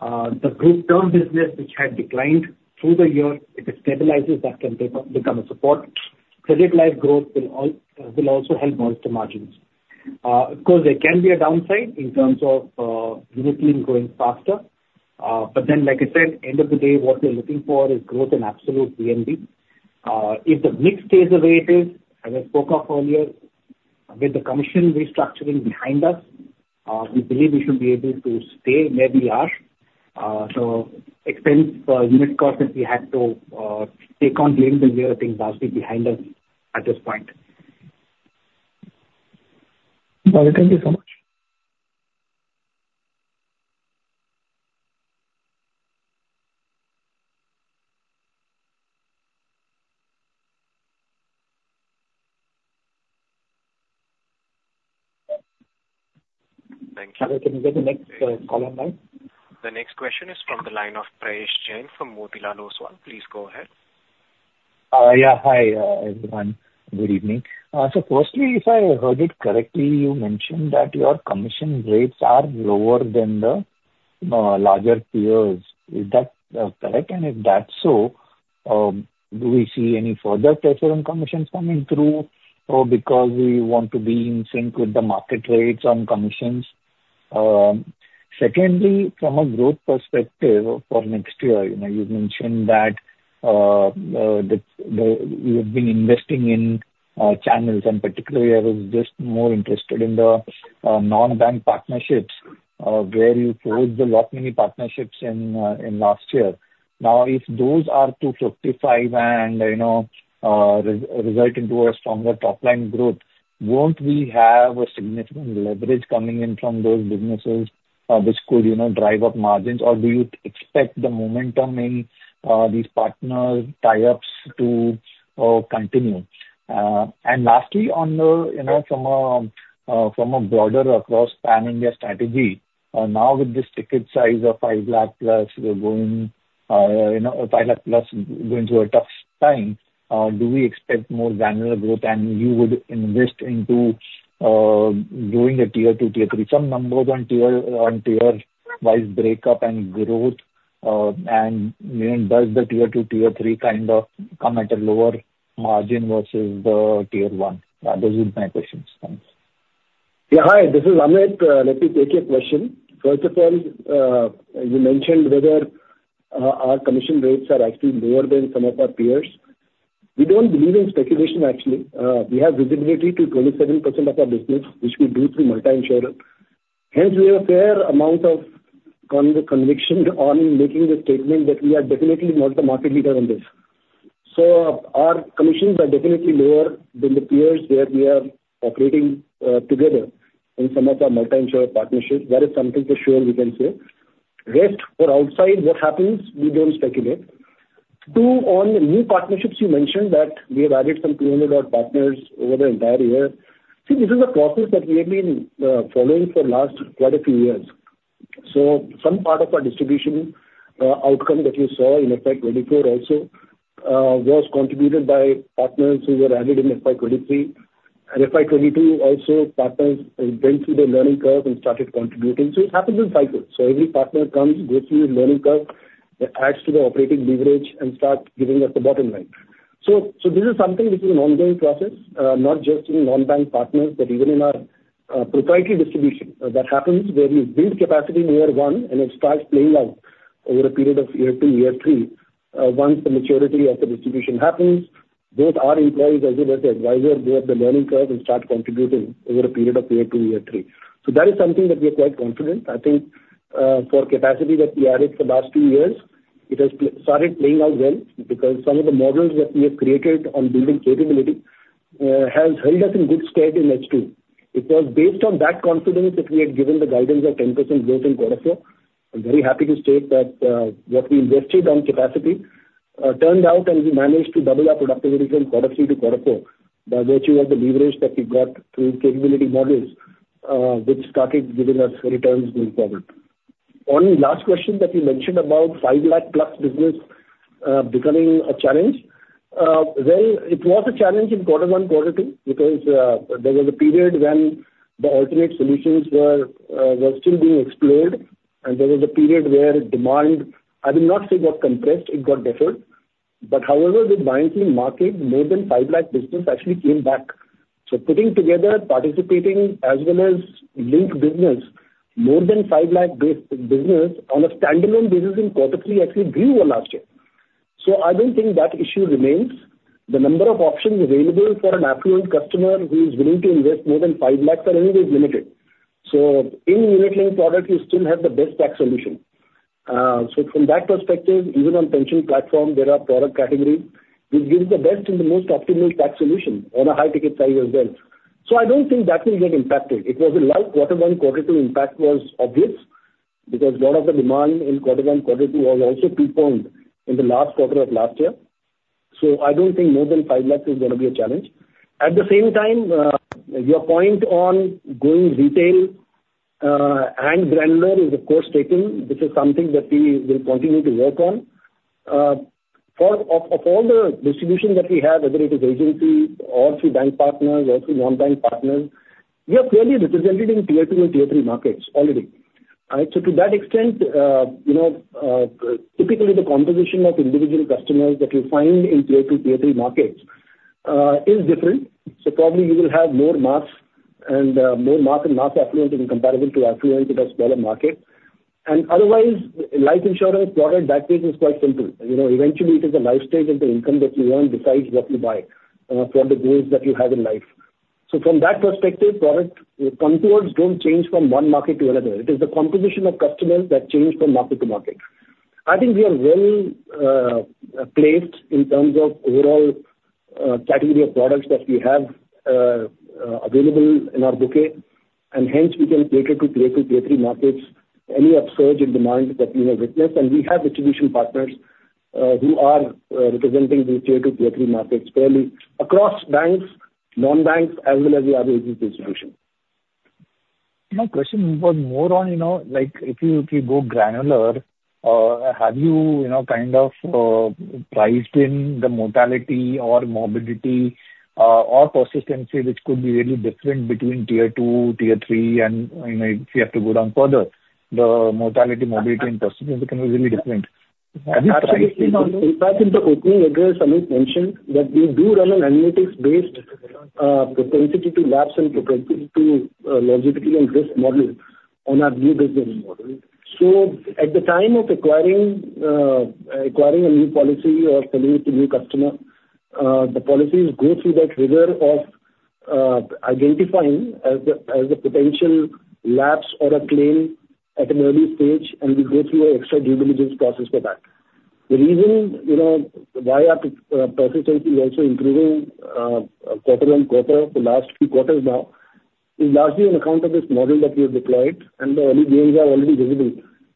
D: The group-term business, which had declined through the year, if it stabilizes, that can become a support. Credit-life growth will also help bolster margins. Of course, there can be a downside in terms of unit-linked going faster. But then, like I said, end of the day, what we're looking for is growth in absolute VNB. If the mix stays the way it is, as I spoke of earlier, with the commission restructuring behind us, we believe we should be able to stay where we are. So expense for unit costs that we had to take on during the year, I think, will be behind us at this point.
M: Got it. Thank you so much.
A: Thank you.
B: Can you get the next call online?
A: The next question is from the line of Prayesh Jain from Motilal Oswal. Please go ahead.
N: Yeah. Hi, everyone. Good evening. So firstly, if I heard it correctly, you mentioned that your commission rates are lower than the larger tiers. Is that correct? And if that's so, do we see any further pressure on commissions coming through because we want to be in sync with the market rates on commissions? Secondly, from a growth perspective for next year, you've mentioned that you have been investing in channels. And particularly, I was just more interested in the non-bank partnerships where you forged a lot many partnerships in last year. Now, if those are to fructify and result into a stronger top-line growth, won't we have a significant leverage coming in from those businesses which could drive up margins? Or do you expect the momentum in these partner tie-ups to continue? Lastly, from a broader across-pan-India strategy, now with this ticket size of 5 lakh plus, we're going 5 lakh plus going through a tough time. Do we expect more granular growth, and you would invest into growing a Tier 2, Tier 3? Some numbers on tier-wise breakup and growth. And does the Tier 2, Tier 3 kind of come at a lower margin versus the Tier 1? Those would be my questions. Thanks.
C: Yeah. Hi. This is Amit. Let me take your question. First of all, you mentioned whether our commission rates are actually lower than some of our peers. We don't believe in speculation, actually. We have visibility to 27% of our business, which we do through multi-insurer. Hence, we have a fair amount of conviction on making the statement that we are definitely not the market leader on this. So our commissions are definitely lower than the peers where we are operating together in some of our multi-insurer partnerships. That is something for sure we can say. Rest, for outside, what happens, we don't speculate. Two, on the new partnerships, you mentioned that we have added some 200-odd partners over the entire year. See, this is a process that we have been following for the last quite a few years. Some part of our distribution outcome that you saw in FY 2024 also was contributed by partners who were added in FY 2023. FY 2022 also, partners went through the learning curve and started contributing. It happens in cycles. Every partner comes, goes through a learning curve, adds to the operating leverage, and starts giving us the bottom line. This is something which is an ongoing process, not just in non-bank partners, but even in our proprietary distribution. That happens where you build capacity in year one, and it starts playing out over a period of year two, year three. Once the maturity of the distribution happens, both our employees, as well as the advisor, go up the learning curve and start contributing over a period of year two, year three. That is something that we are quite confident. I think for capacity that we added for the last two years, it has started playing out well because some of the models that we have created on building capability have held us in good stead in H2. It was based on that confidence that we had given the guidance of 10% growth in quarter four. I'm very happy to state that what we invested on capacity turned out, and we managed to double our productivity from quarter three to quarter four by virtue of the leverage that we got through capability models, which started giving us returns going forward. On the last question that you mentioned about 5 lakh plus business becoming a challenge, well, it was a challenge in quarter one, quarter two because there was a period when the alternate solutions were still being explored. There was a period where demand I will not say got compressed. It got deferred. But however, the buying team market, more than 5 lakh business actually came back. So putting together, participating, as well as linked business, more than 5 lakh business on a standalone basis in quarter three actually grew over last year. So I don't think that issue remains. The number of options available for an affluent customer who is willing to invest more than 5 lakhs are anyways limited. So in unit-linked product, you still have the best tax solution. So from that perspective, even on pension platform, there are product categories which give the best and the most optimal tax solution on a high-ticket side as well. So I don't think that will get impacted. It was a large quarter one, quarter two impact was obvious because a lot of the demand in quarter one, quarter two was also pre-poned in the last quarter of last year. So I don't think more than 5 lakh is going to be a challenge. At the same time, your point on going retail and granular is, of course, taken. This is something that we will continue to work on. Of all the distributions that we have, whether it is agency or through bank partners or through non-bank partners, we are clearly represented in tier two and tier three markets already. All right? So to that extent, typically, the composition of individual customers that you find in tier two, tier three markets is different. So probably, you will have more mass and more mass and mass affluent in comparison to affluent in a smaller market. And otherwise, life insurance product, that piece is quite simple. Eventually, it is a life stage of the income that you earn besides what you buy for the goals that you have in life. So from that perspective, product contours don't change from one market to another. It is the composition of customers that change from market to market. I think we are well placed in terms of overall category of products that we have available in our bouquet. And hence, we can cater to tier two, tier three markets, any upsurge in demand that we may witness. And we have distribution partners who are representing these tier two, tier three markets fairly across banks, non-banks, as well as the other agency distribution.
N: My question was more on if you go granular, have you kind of priced in the mortality or morbidity or persistency, which could be really different between tier two, tier three, and if you have to go down further? The mortality, morbidity, and persistency can be really different. Have you priced it?
D: In fact, in the opening address, Amit mentioned that we do run an analytics-based propensity to lapse and propensity to logistically invest model on our new business model. So at the time of acquiring a new policy or selling it to a new customer, the policies go through that rigor of identifying as a potential lapse or a claim at an early stage, and we go through an extra due diligence process for that. The reason why our persistency is also improving quarter-on-quarter for the last few quarters now is largely on account of this model that we have deployed. And the early gains are already visible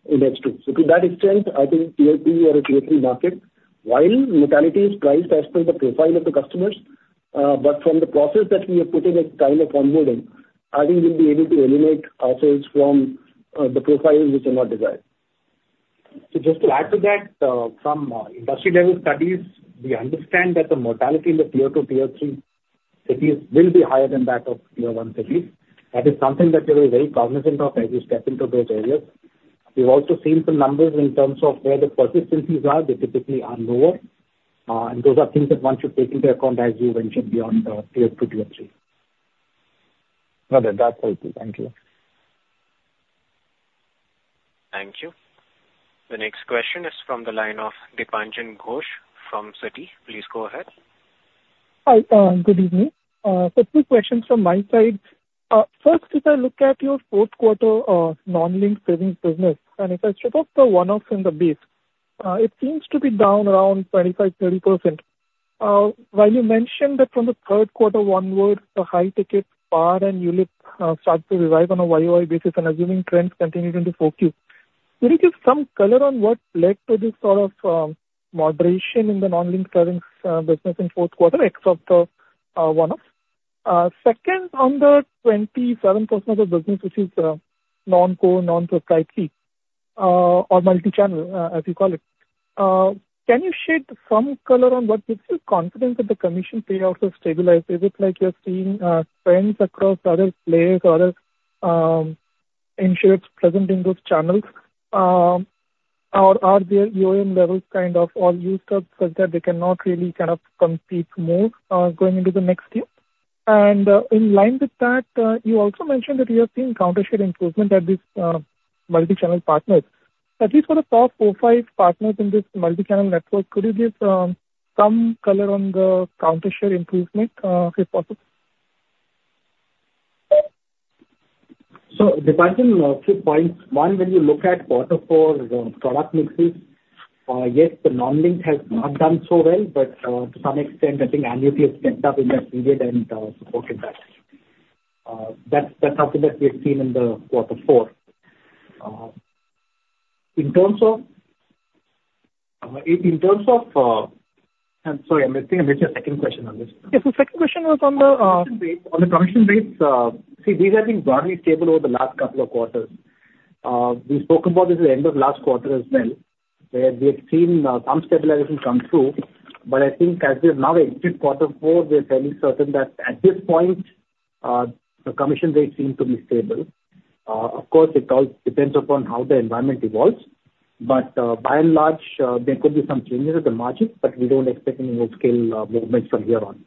D: in H2. So to that extent, I think tier two or a tier three market, while mortality is priced as per the profile of the customers, but from the process that we have put in at the time of onboarding, I think we'll be able to eliminate ourselves from the profiles which are not desired. Just to add to that, from industry-level studies, we understand that the mortality in the tier two, tier three cities will be higher than that of tier one cities. That is something that we're very cognizant of as we step into those areas. We've also seen some numbers in terms of where the persistencies are. They typically are lower. Those are things that one should take into account, as you mentioned, beyond tier two, tier three.
N: Got it. That's helpful. Thank you.
A: Thank you. The next question is from the line of Dipanjan Ghosh from Citi. Please go ahead.
O: Hi. Good evening. So two questions from my side. First, if I look at your fourth-quarter non-linked savings business, and if I strip off the one-offs and the base, it seems to be down around 25%-30%. While you mentioned that from the third quarter onward, the high-ticket bar and ULIP start to revive on a YOI basis, and assuming trends continue into 4Q, can you give some color on what led to this sort of moderation in the non-linked savings business in fourth quarter except the one-offs? Second, on the 27% of the business, which is non-captive, non-proprietary or multi-channel, as you call it, can you shed some color on what gives you confidence that the commission payouts have stabilized? Is it like you're seeing trends across other players or other insurers present in those channels, or are their EOM levels kind of all used up such that they cannot really kind of compete more going into the next year? And in line with that, you also mentioned that you have seen counter-share improvement at these multi-channel partners. At least for the top four, five partners in this multi-channel network, could you give some color on the counter-share improvement, if possible?
C: So Dipanjan, a few points. One, when you look at quarter four product mixes, yes, the non-linked has not done so well. But to some extent, I think annuity has stepped up in that period and supported that. That's something that we have seen in the quarter four. In terms of, sorry, Amit. I missed your second question on this.
O: Yes. The second question was on the.
C: Commission rates. On the commission rates, see, these have been broadly stable over the last couple of quarters. We spoke about this at the end of last quarter as well, where we had seen some stabilization come through. But I think as we have now exited quarter four, we are fairly certain that at this point, the commission rates seem to be stable. Of course, it all depends upon how the environment evolves. But by and large, there could be some changes at the margins, but we don't expect any more scale movements from here on.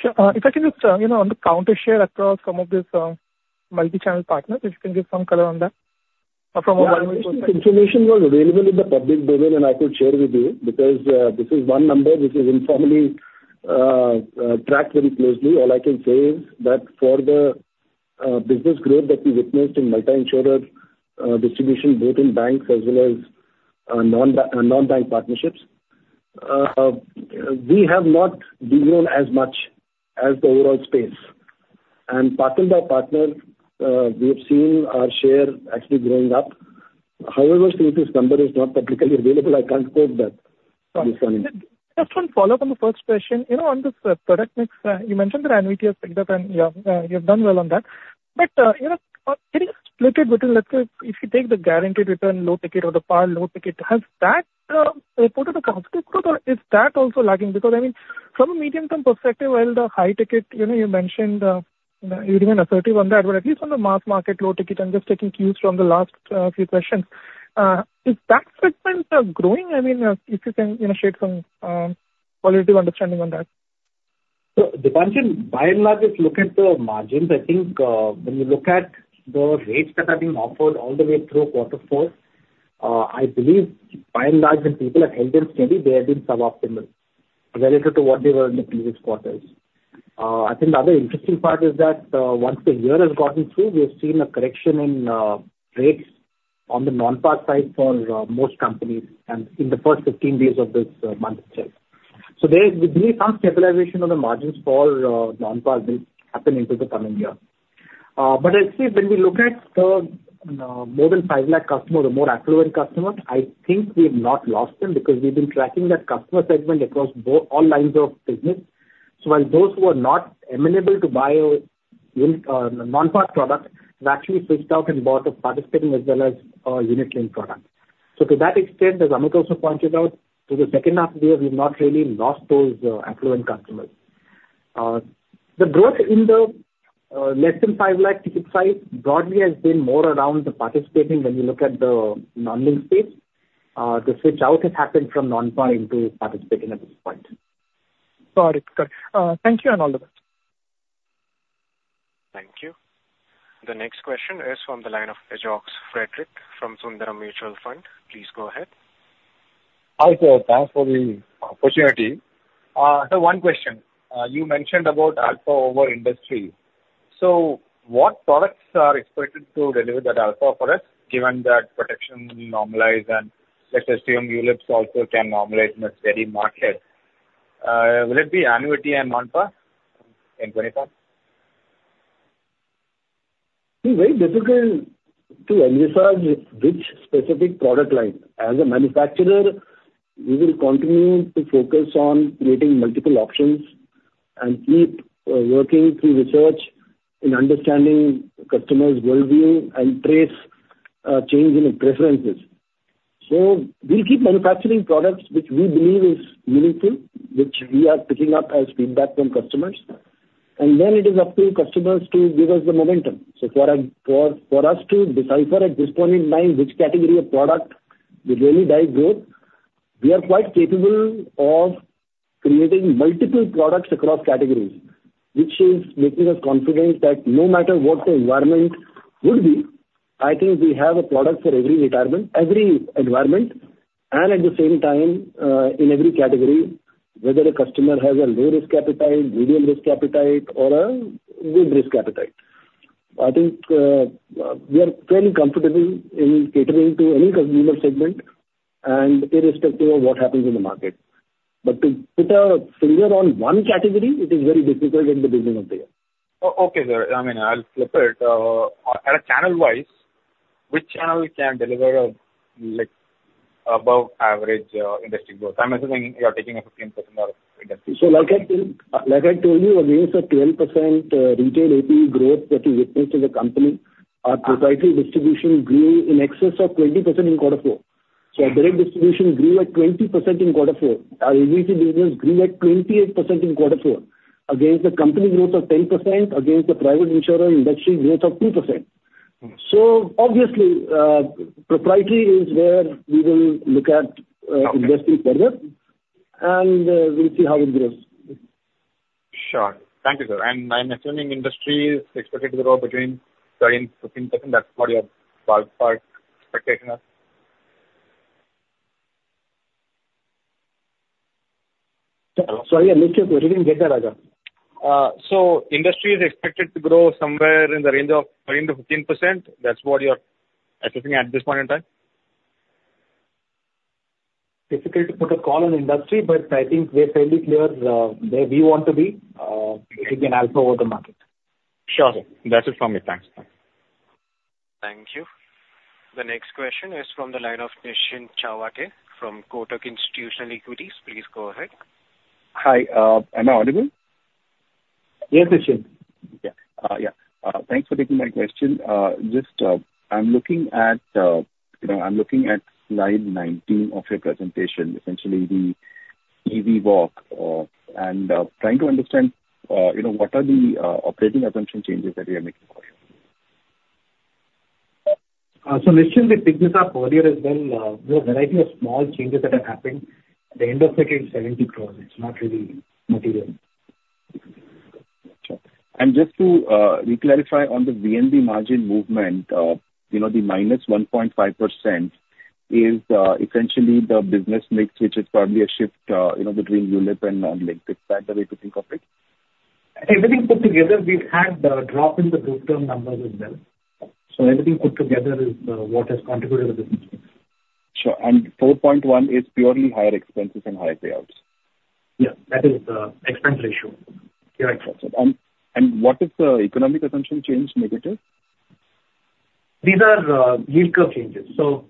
O: Sure. If I can just on the counter-share across some of these multi-channel partners, if you can give some color on that from a one-way perspective.
C: If information was available in the public domain, and I could share with you because this is one number which is informally tracked very closely, all I can say is that for the business growth that we witnessed in multi-insurer distribution, both in banks as well as non-bank partnerships, we have not degrown as much as the overall space. Partner by partner, we have seen our share actually growing up. However, since this number is not publicly available, I can't quote that on this one.
O: Just one follow-up on the first question. On this product mix, you mentioned that Annuity has picked up, and yeah, you've done well on that. But getting split between, let's say, if you take the guaranteed return, low-ticket or the par low-ticket, has that reported a positive growth, or is that also lagging? Because, I mean, from a medium-term perspective, while the high-ticket you mentioned, you're even assertive on that. But at least on the mass market low-ticket, I'm just taking cues from the last few questions. Is that segment growing? I mean, if you can share some qualitative understanding on that.
C: So Dipanjan, by and large, if you look at the margins, I think when you look at the rates that are being offered all the way through quarter four, I believe by and large, when people have held them steady, they have been sub-optimal relative to what they were in the previous quarters. I think the other interesting part is that once the year has gotten through, we have seen a correction in rates on the non-par side for most companies in the first 15 days of this month itself. So there will be some stabilization of the margins for non-par. This will happen into the coming year. But actually, when we look at the more than 5 lakh customers, the more affluent customers, I think we have not lost them because we've been tracking that customer segment across all lines of business. So while those who are not amenable to buy a non-par product have actually switched out and bought a participating as well as a unit-linked product. So to that extent, as Amit also pointed out, through the second half of the year, we've not really lost those affluent customers. The growth in the less than 5 lakh ticket size broadly has been more around the participating when you look at the non-linked space. The switch out has happened from non-par into participating at this point.
O: Got it. Got it. Thank you and all the best.
A: Thank you. The next question is from the line of Ajog Frederick from Sundaram Mutual Fund. Please go ahead.
P: Hi there. Thanks for the opportunity. So one question. You mentioned about alpha over industry. So what products are expected to deliver that alpha for us given that protection normalized, and let's assume ULIPs also can normalize in a steady market? Will it be annuity and non-par in 2025?
C: It's very difficult to analyze which specific product line. As a manufacturer, we will continue to focus on creating multiple options and keep working through research in understanding customers' worldview and trace change in preferences. So we'll keep manufacturing products which we believe are meaningful, which we are picking up as feedback from customers. And then it is up to customers to give us the momentum. So for us to decipher at this point in time which category of product will really drive growth, we are quite capable of creating multiple products across categories, which is making us confident that no matter what the environment would be, I think we have a product for every environment. At the same time, in every category, whether a customer has a low-risk appetite, medium-risk appetite, or a good-risk appetite, I think we are fairly comfortable in catering to any consumer segment and irrespective of what happens in the market. But to put a finger on one category, it is very difficult at the beginning of the year.
P: Okay, sir. I mean, I'll flip it. At a channel-wise, which channel can deliver above-average industry growth? I'm assuming you're taking a 15% of industry.
C: So like I told you, against a 12% retail AP growth that we witnessed in the company, our proprietary distribution grew in excess of 20% in quarter four. So our direct distribution grew at 20% in quarter four. Our agency business grew at 28% in quarter four against the company growth of 10% against the private insurer industry growth of 2%. So obviously, proprietary is where we will look at investing further, and we'll see how it grows.
P: Sure. Thank you, sir. And I'm assuming industry is expected to grow between 30% and 15%. That's what your ballpark expectation is?
C: Sorry, Amit. I didn't get that, Raja.
P: Industry is expected to grow somewhere in the range of 30%-15%. That's what you're assessing at this point in time?
C: Difficult to put a call on industry, but I think we're fairly clear where we want to be if we can alpha over the market.
P: Sure, sir. That's it from me. Thanks.
A: Thank you. The next question is from the line of Nischint Chawathe from Kotak Institutional Equities. Please go ahead.
Q: Hi. Am I audible?
C: Yes, Nishin.
Q: Yeah. Yeah. Thanks for taking my question. I'm looking at I'm looking at slide 19 of your presentation, essentially the EV walk, and trying to understand what are the operating assumption changes that we are making for you.
C: Nischint, we picked this up earlier as well. There are a variety of small changes that have happened. At the end of it, it's 70 crore. It's not really material.
Q: Sure. And just to reclarify on the VNB margin movement, the -1.5% is essentially the business mix, which is probably a shift between ULIP and non-linked. Is that the way to think of it?
C: Everything put together, we've had a drop in the group term numbers as well. So everything put together is what has contributed to the business mix.
Q: Sure. And 4.1 is purely higher expenses and higher payouts?
C: Yes. That is the expense ratio. Correct.
Q: What is the economic assumption change negative?
C: These are yield curve changes. So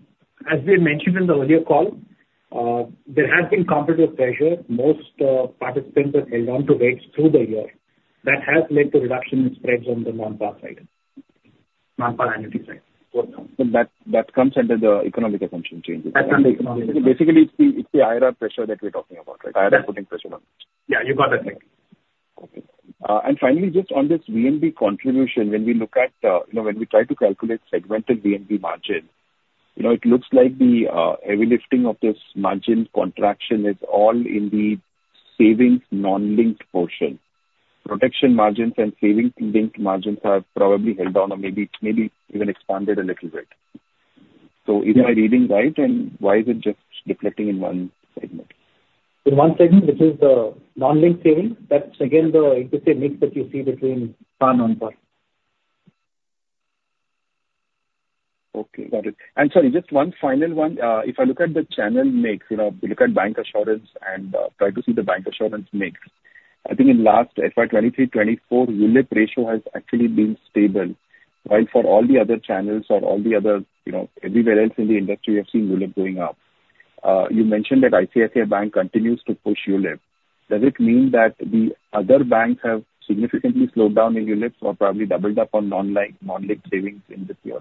C: as we had mentioned in the earlier call, there has been competitive pressure. Most participants have held on to rates through the year. That has led to reduction in spreads on the non-part side, non-part annuity side.
Q: That comes under the economic assumption changes?
C: That's under economic assumption.
Q: Basically, it's the IRDAI pressure that we're talking about, right? IRDAI putting pressure on it.
C: Yeah. You got that right.
Q: Okay. And finally, just on this VNB contribution, when we look at when we try to calculate segmented VNB margin, it looks like the heavy lifting of this margin contraction is all in the savings non-linked portion. Protection margins and savings-linked margins have probably held on or maybe even expanded a little bit. So is my reading right, and why is it just reflecting in one segment?
C: In one segment, which is the non-linked savings, that's, again, the APE mix that you see between par, non-par.
Q: Okay. Got it. And sorry, just one final one. If I look at the channel mix, if we look at bancassurance and try to see the bancassurance mix, I think in last FY 2023/24, ULIP ratio has actually been stable. While for all the other channels or everywhere else in the industry, we have seen ULIP going up. You mentioned that ICICI Bank continues to push ULIP. Does it mean that the other banks have significantly slowed down in ULIPs or probably doubled up on non-linked savings in this year?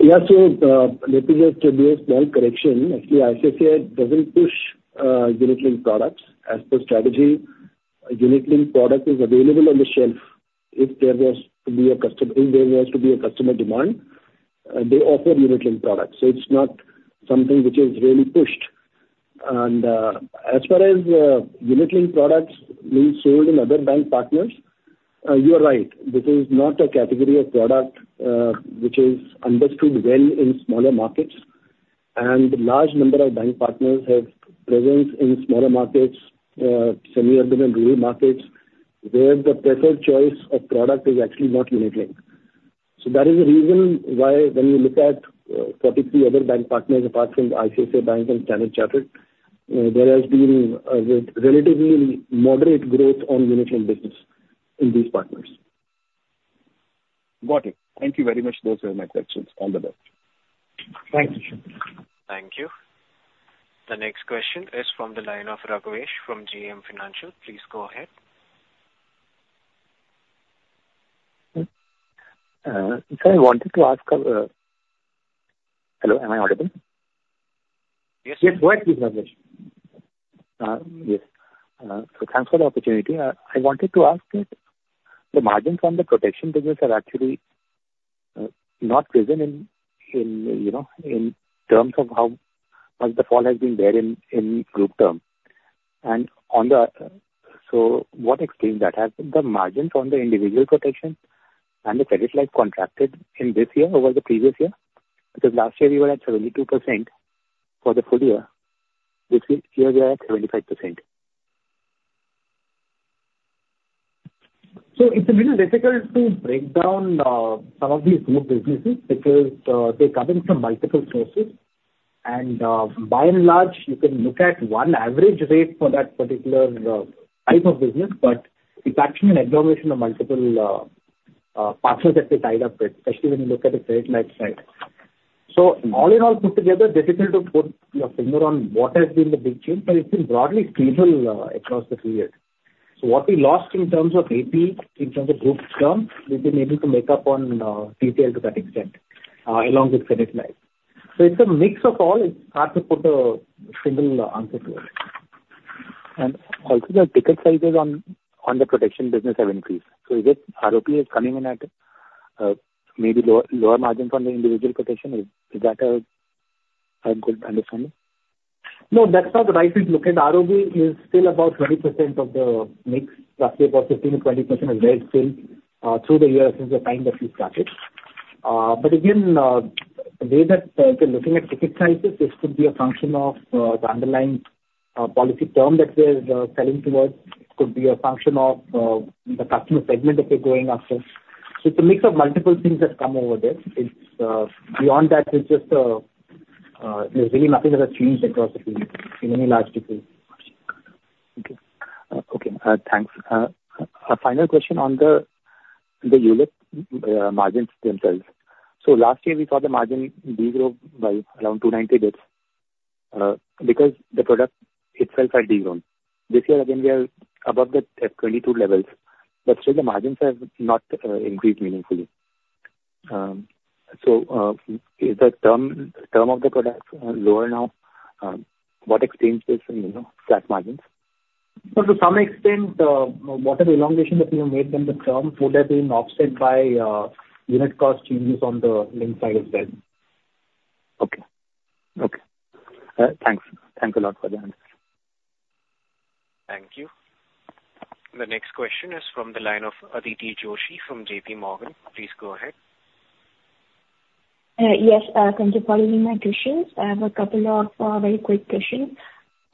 C: Yeah. So let me just do a small correction. Actually, ICICI doesn't push unit-linked products. As per strategy, unit-linked products are available on the shelf. If there was to be a customer demand, they offer unit-linked products. So it's not something which is really pushed. And as far as unit-linked products being sold in other bank partners, you are right. This is not a category of product which is understood well in smaller markets. And a large number of bank partners have presence in smaller markets, semi-urban and rural markets where the preferred choice of product is actually not unit-linked. So that is the reason why when you look at 43 other bank partners apart from ICICI Bank and Standard Chartered, there has been relatively moderate growth on unit-linked business in these partners.
Q: Got it. Thank you very much. Those were my questions. All the best.
C: Thank you, sir.
A: Thank you. The next question is from the line of Raghav Garg from JM Financial. Please go ahead.
R: Sir, I wanted to ask. Hello. Am I audible?
A: Yes.
C: Yes. Go ahead, please, Raghav.
R: Yes. So thanks for the opportunity. I wanted to ask that the margins on the protection business are actually not present in terms of how much the fall has been there in group term. And so what explains that? Have the margins on the individual protection and the credit life contracted in this year over the previous year? Because last year, we were at 72% for the full year. This year, we are at 75%. So it's a bit difficult to break down some of these group businesses because they come in from multiple sources. And by and large, you can look at one average rate for that particular type of business, but it's actually an agglomeration of multiple partners that they tied up with, especially when you look at the credit life side.
C: So all in all, put together, difficult to put your finger on what has been the big change, but it's been broadly stable across the period. So what we lost in terms of AP, in terms of group term, we've been able to make up on detail to that extent along with credit life. So it's a mix of all. It's hard to put a single answer to it.
R: And also, the ticket sizes on the protection business have increased. So is it ROP is coming in at maybe lower margins on the individual protection? Is that a good understanding?
C: No, that's not the right way to look at it. ROP is still about 20% of the mix, roughly about 15%-20% as well still through the year since the time that we started. But again, the way that we're looking at ticket sizes, this could be a function of the underlying policy term that we're selling towards. It could be a function of the customer segment that we're going after. So it's a mix of multiple things that come over there. Beyond that, there's really nothing that has changed across the period in any large degree.
R: Okay. Thanks. A final question on the ULIP margins themselves. Last year, we saw the margin degrow by around 290 basis points because the product itself had degrown. This year, again, we are above the FY 2022 levels, but still, the margins have not increased meaningfully. Is the term of the product lower now? What explains this flat margins?
C: To some extent, whatever elongation that we have made in the term, would that be an offset by unit cost changes on the link side as well?
R: Okay. Okay. Thanks. Thanks a lot for the answers.
A: Thank you. The next question is from the line of Aditi Joshi from J.P. Morgan. Please go ahead.
S: Yes. Thank you for allowing my questions. I have a couple of very quick questions.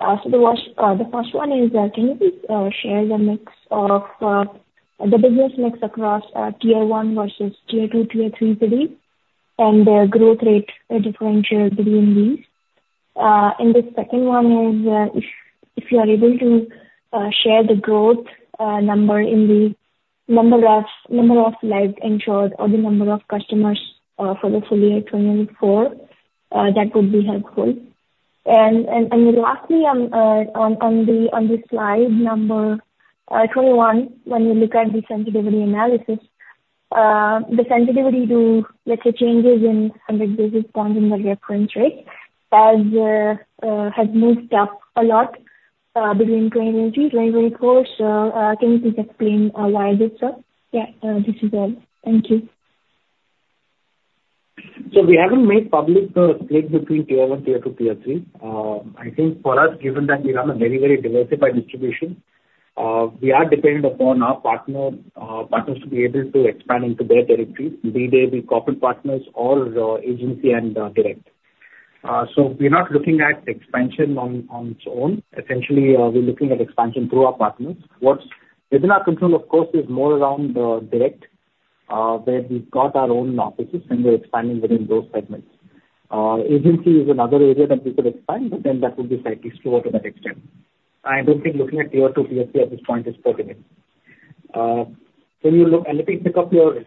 S: So the first one is, can you please share the mix of the business mix across tier one versus tier two, tier three, and the growth rate differential between these? And the second one is, if you are able to share the growth number in the number of life insured or the number of customers for the full year 2024, that would be helpful. And lastly, on the slide number 21, when you look at the sensitivity analysis, the sensitivity to, let's say, changes in 100 basis points in the reference rate has moved up a lot between 2023 and 2024. So can you please explain why this is so? Yeah. This is all. Thank you.
C: So we haven't made public the split between tier one, tier two, tier three. I think for us, given that we run a very, very diversified distribution, we are dependent upon our partners to be able to expand into their territories, be they be corporate partners or agency and direct. So we're not looking at expansion on its own. Essentially, we're looking at expansion through our partners. What's within our control, of course, is more around direct where we've got our own offices, and we're expanding within those segments. Agency is another area that we could expand, but then that would be slightly slower to that extent. I don't think looking at tier two, tier three at this point is pertinent. Can you look and let me pick up your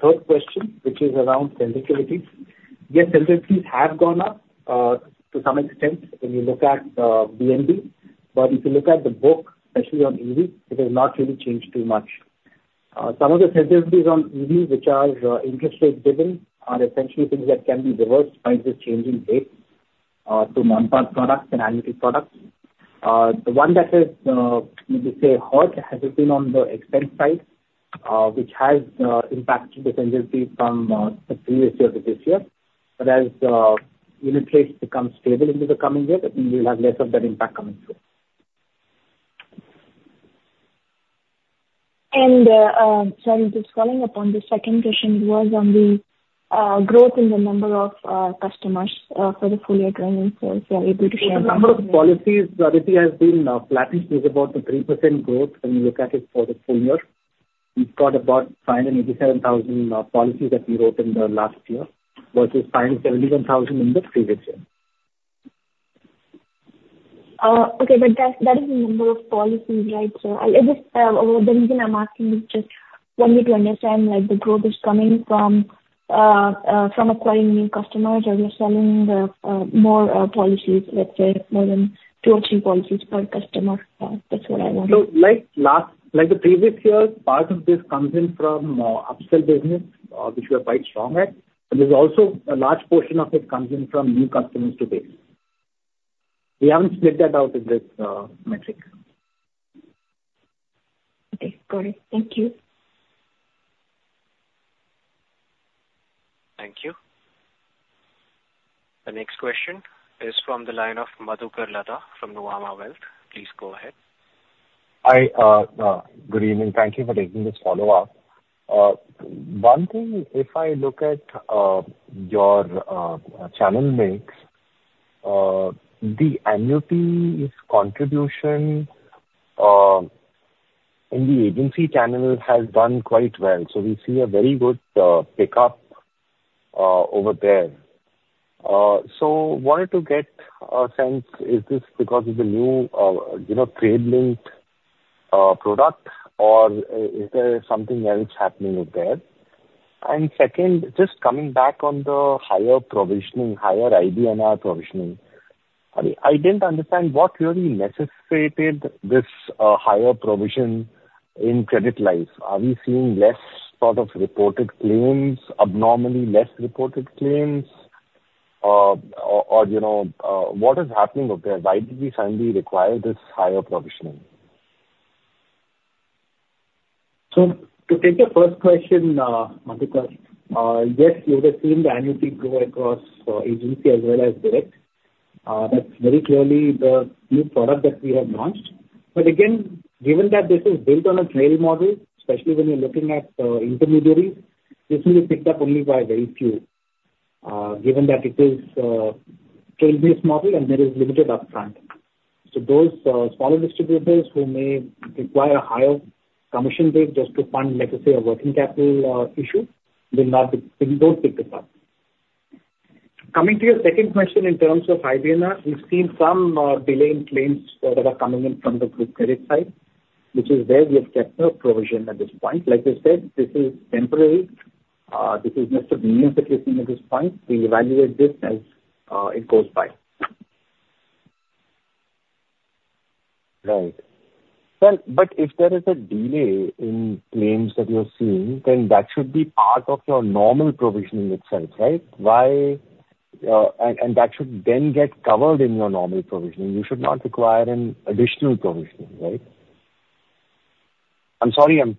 C: third question, which is around sensitivities? Yes, sensitivities have gone up to some extent when you look at VNB. But if you look at the book, especially on EV, it has not really changed too much. Some of the sensitivities on EVs, which are interest rate-driven, are essentially things that can be reversed by just changing rates to non-par products and annuity products. The one that has, let me say, hurt has been on the expense side, which has impacted the sensitivity from the previous year to this year. But as unit rates become stable into the coming year, I think we'll have less of that impact coming through.
S: Sorry, just following up on the second question. It was on the growth in the number of customers for the full year 2024. If you are able to share that?
C: The number of policies RTT has been flattened. It's about the 3% growth when you look at it for the full year. We've got about 587,000 policies that we wrote in the last year versus 571,000 in the previous year.
S: Okay. But that is the number of policies, right? So the reason I'm asking is just wanting to understand the growth is coming from acquiring new customers or you're selling more policies, let's say, more than two or three policies per customer. That's what I wanted.
C: So like the previous year, part of this comes in from upsell business, which we are quite strong at. But there's also a large portion of it comes in from new customers today. We haven't split that out in this metric.
S: Okay. Got it. Thank you.
A: Thank you. The next question is from the line of Madhukar Ladha from Nuvama Wealth. Please go ahead.
L: Hi. Good evening. Thank you for taking this follow-up. One thing, if I look at your channel mix, the annuity contribution in the agency channel has done quite well. So we see a very good pickup over there. So I wanted to get a sense, is this because of the new unit-linked product, or is there something else happening over there? And second, just coming back on the higher provisioning, higher IBNR provisioning, I didn't understand what really necessitated this higher provision in credit life. Are we seeing less sort of reported claims, abnormally less reported claims? Or what is happening over there? Why did we suddenly require this higher provisioning?
C: So to take your first question, Madhukar, yes, you would have seen the annuity grow across agency as well as direct. That's very clearly the new product that we have launched. But again, given that this is built on a trail model, especially when you're looking at intermediaries, this will be picked up only by very few, given that it is a trail-based model and there is limited upfront. So those smaller distributors who may require a higher commission rate just to fund, let's say, a working capital issue will not pick this up. Coming to your second question in terms of IBNR, we've seen some delay in claims that are coming in from the group credit side, which is where we have kept the provision at this point. Like I said, this is temporary. This is the mean delay that we're seeing at this point. We'll evaluate this as it goes by.
L: Right. But if there is a delay in claims that you're seeing, then that should be part of your normal provisioning itself, right? And that should then get covered in your normal provisioning. You should not require an additional provisioning, right? I'm sorry. I'm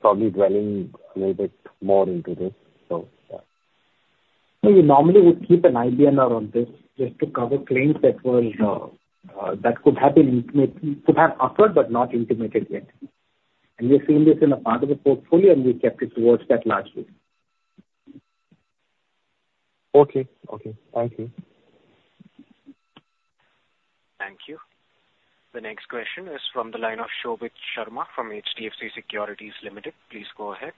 L: probably dwelling a little bit more into this, so yeah.
C: No, we normally would keep an IBNR on this just to cover claims that could have been intimated could have occurred but not intimated yet. We've seen this in a part of the portfolio, and we've kept it towards that largely.
L: Okay. Okay. Thank you.
A: Thank you. The next question is from the line of Shobhit Sharma from HDFC Securities Limited. Please go ahead.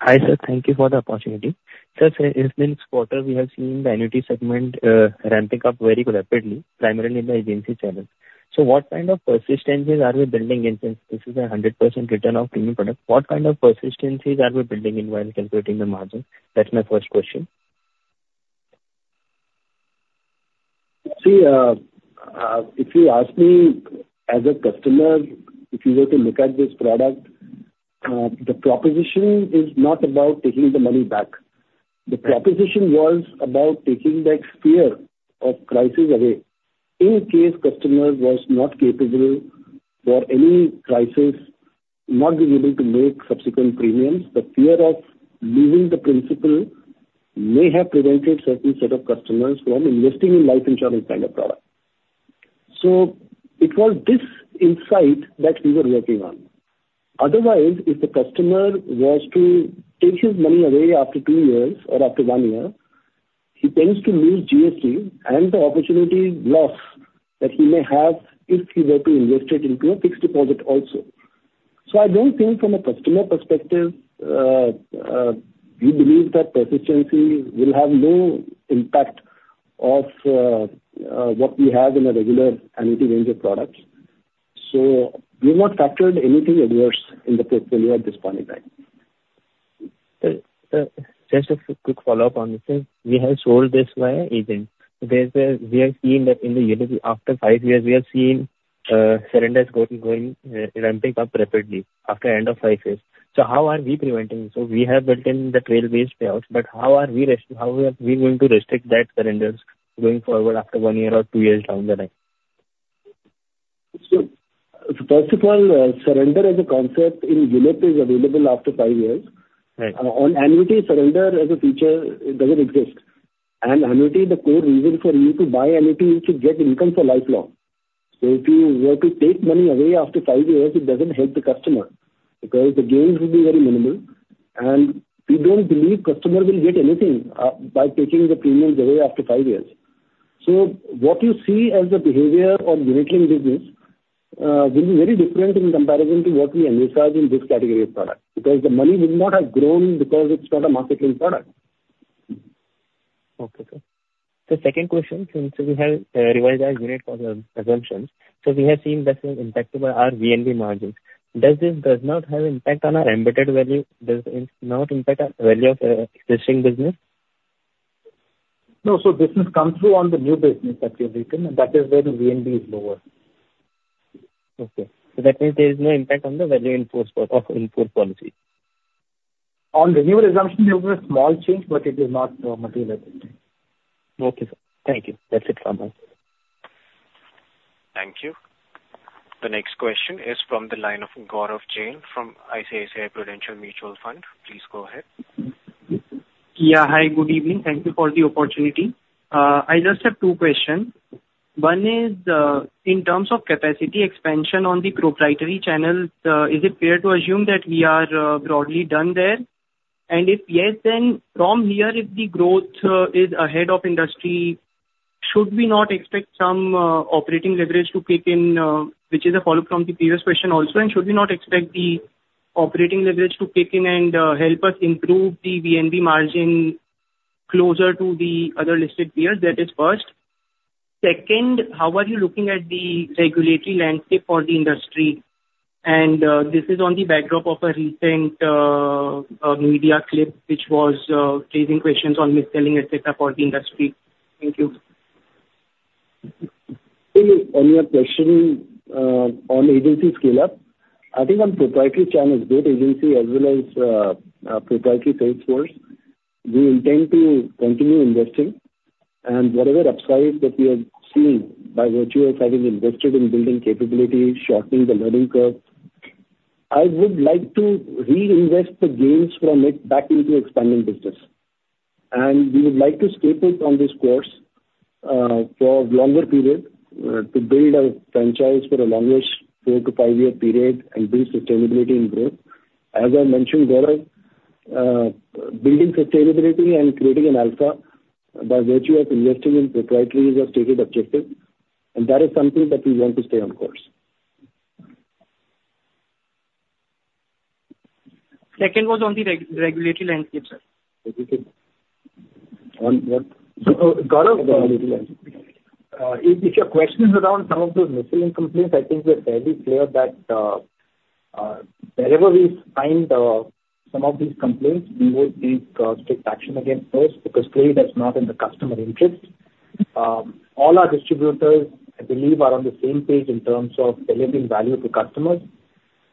T: Hi, sir. Thank you for the opportunity. Sir, since quarter, we have seen the annuity segment ramping up very rapidly, primarily in the agency channel. So what kind of persistencies are we building in since this is a 100% return of premium product? What kind of persistencies are we building in while calculating the margin? That's my first question.
C: See, if you ask me as a customer, if you were to look at this product, the proposition is not about taking the money back. The proposition was about taking that fear of crisis away. In case customer was not capable for any crisis, not being able to make subsequent premiums, the fear of losing the principal may have prevented certain set of customers from investing in life insurance kind of product. So it was this insight that we were working on. Otherwise, if the customer was to take his money away after two years or after one year, he tends to lose GST and the opportunity loss that he may have if he were to invest it into a fixed deposit also. So I don't think from a customer perspective, we believe that persistency will have no impact of what we have in a regular annuity range of products. We have not factored anything adverse in the portfolio at this point in time.
T: Just a quick follow-up on this. We have sold this via agent. We have seen that in the year after five years, we have seen surrenders ramping up rapidly after the end of five years. So how are we preventing this? So we have built in the trail-based payouts, but how are we going to restrict that surrenders going forward after one year or two years down the line?
C: First of all, surrender as a concept in ULIP is available after five years. On annuity, surrender as a feature doesn't exist. And annuity, the core reason for you to buy annuity is to get income for lifelong. So if you were to take money away after five years, it doesn't help the customer because the gains will be very minimal. And we don't believe customer will get anything by taking the premiums away after five years. So what you see as the behavior of unit-linked business will be very different in comparison to what we envisage in this category of product because the money will not have grown because it's not a market-linked product.
T: Okay. So second question, since we have revised our unit assumptions, so we have seen this impact on our VNB margins. Does this not have impact on our embedded value? Does it not impact our value of existing business?
C: No. So this has come through on the new business that we have written, and that is where the VNB is lower.
T: Okay. So that means there is no impact on the value of in-force policies?
C: On renewal exemption, there will be a small change, but it is not material at this time.
T: Okay, sir. Thank you. That's it from us.
A: Thank you. The next question is from the line of Gaurav Jain from ICICI Prudential Mutual Fund. Please go ahead.
U: Yeah. Hi. Good evening. Thank you for the opportunity. I just have two questions. One is, in terms of capacity expansion on the proprietary channel, is it fair to assume that we are broadly done there? And if yes, then from here, if the growth is ahead of industry, should we not expect some operating leverage to kick in, which is a follow-up from the previous question also, and should we not expect the operating leverage to kick in and help us improve the VNB margin closer to the other listed peers? That is first. Second, how are you looking at the regulatory landscape for the industry? And this is on the backdrop of a recent media clip which was raising questions on mis-selling, etc., for the industry. Thank you.
C: On your question on agency scale-up, I think on proprietary channels, both agency as well as proprietary salesforce, we intend to continue investing. Whatever upside that we are seeing by virtue of having invested in building capability, shortening the learning curve, I would like to reinvest the gains from it back into expanding business. We would like to stay put on this course for a longer period to build a franchise for a longer four to five year period and build sustainability and growth. As I mentioned, Gaurav, building sustainability and creating an alpha by virtue of investing in proprietaries are stated objectives. That is something that we want to stay on course.
U: Second was on the regulatory landscape, sir.
C: Okay. On what? Gaurav, if your question is around some of those mis-selling complaints, I think we're fairly clear that wherever we find some of these complaints, we would take strict action against those because clearly, that's not in the customer interest. All our distributors, I believe, are on the same page in terms of delivering value to customers.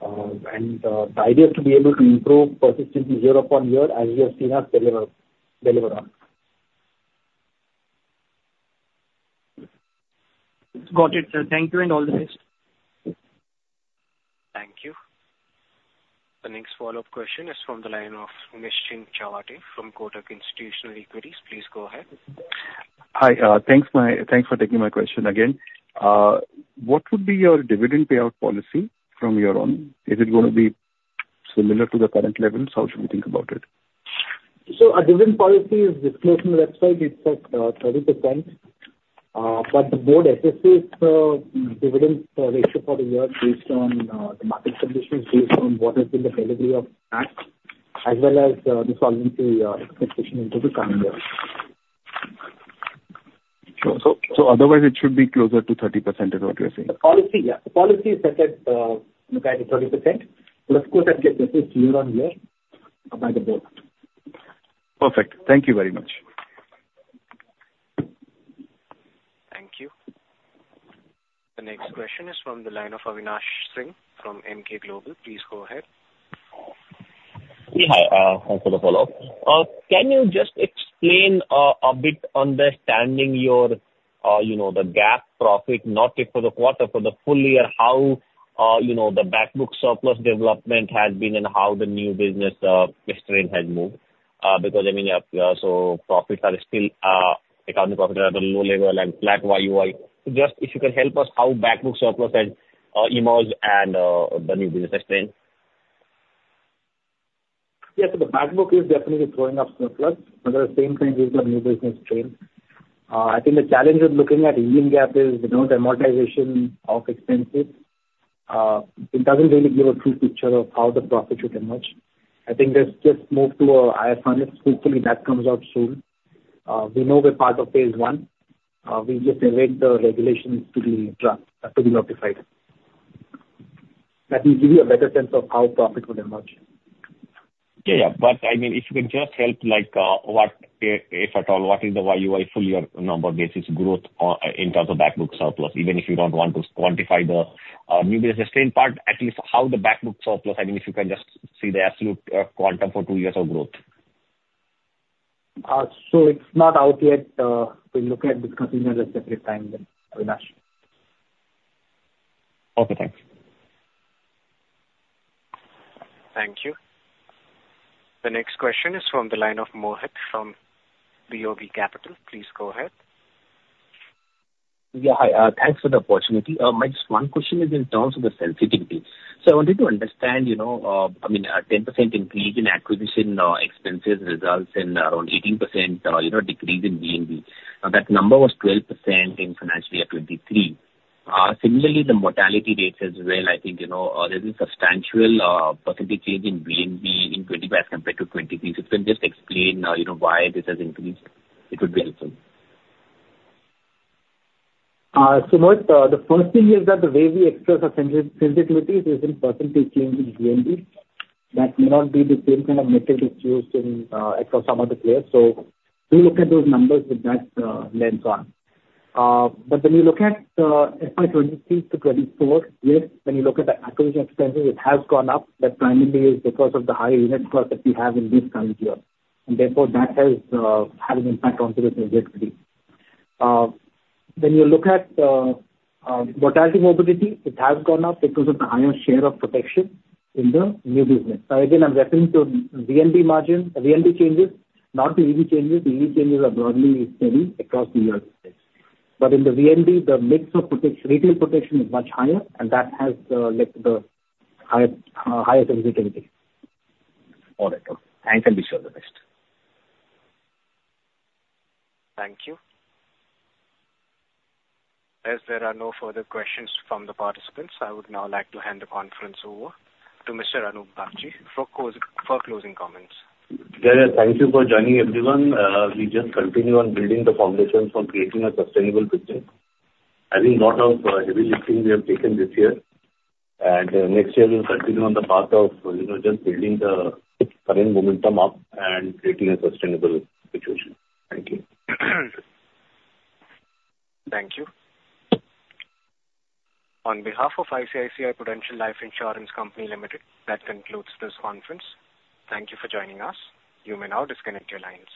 C: And the idea is to be able to improve persistency year upon year as we have seen us deliver on.
U: Got it, sir. Thank you and all the best.
A: Thank you. The next follow-up question is from the line of Nischint Chawathe from Kotak Institutional Equities. Please go ahead.
Q: Hi. Thanks for taking my question again. What would be your dividend payout policy from your own? Is it going to be similar to the current levels? How should we think about it?
C: Our dividend policy is disclosed on the website. It's at 30%. But the board emphasizes dividend ratio for the year based on the market conditions, based on what has been the delivery of tax as well as the solvency expectation into the coming year.
Q: Sure. So otherwise, it should be closer to 30% is what you're saying?
C: The policy, yeah. The policy is set at 30%. But of course, I'd get this. This is year on year by the board.
Q: Perfect. Thank you very much.
A: Thank you. The next question is from the line of Avinash Singh from Emkay Global. Please go ahead.
V: Yeah. Hi. Thanks for the follow-up. Can you just explain a bit, understanding the GAAP profit, not just for the quarter, for the full year, how the backbook surplus development has been and how the new business strain has moved? Because, I mean, so profits are still accounting profits are at a low level and flat YoY. So just if you can help us, how backbook surplus has emerged and the new business strain?
C: Yeah. So the backbook is definitely throwing up surplus at the same time with the new business strain. I think the challenge with looking at the Ind GAAP is we know that amortization of expenses doesn't really give a true picture of how the profit should emerge. I think let's just move to a IFRS. Hopefully, that comes out soon. We know we're part of phase one. We just await the regulations to be notified. That will give you a better sense of how profit will emerge.
V: Yeah. Yeah. But I mean, if you can just help, if at all, what is the YoY full year number basis growth in terms of backbook surplus, even if you don't want to quantify the new business strain part, at least how the backbook surplus, I mean, if you can just see the absolute quantum for two years of growth?
C: It's not out yet. We'll look at discussing that at a separate time, Avinash.
V: Okay. Thanks.
A: Thank you. The next question is from the line of Mohit from BOB Capital. Please go ahead.
W: Yeah. Hi. Thanks for the opportunity. My just one question is in terms of the sensitivity. So I wanted to understand I mean, 10% increase in acquisition expenses results in around 18% decrease in VNB. Now, that number was 12% in financial year 2023. Similarly, the mortality rates as well, I think there's a substantial percentage change in VNB in 2025 as compared to 2023. So if you can just explain why this has increased, it would be helpful.
C: So Mohit, the first thing is that the way we express our sensitivities is in percentage change in VNB. That may not be the same kind of metric that's used across some other players. So we look at those numbers with that lens on. But when you look at FY 2023-2024, yes, when you look at the acquisition expenses, it has gone up. That primarily is because of the higher unit cost that we have in this current year. And therefore, that has had an impact onto the transactionality. When you look at mortality morbidity, it has gone up because of the higher share of protection in the new business. Now, again, I'm referring to VNB changes, not the EV changes. The EV changes are broadly steady across the years. In the VNB, the mix of retail protection is much higher, and that has led to the higher sensitivity.
W: All right. Thanks. And be sure of the best.
A: Thank you. As there are no further questions from the participants, I would now like to hand the conference over to Mr. Anup Bagchi for closing comments.
B: Yeah. Yeah. Thank you for joining, everyone. We just continue on building the foundations for creating a sustainable business. I think a lot of heavy lifting we have taken this year. Next year, we'll continue on the path of just building the current momentum up and creating a sustainable situation. Thank you.
A: Thank you. On behalf of ICICI Prudential Life Insurance Company Limited, that concludes this conference. Thank you for joining us. You may now disconnect your lines.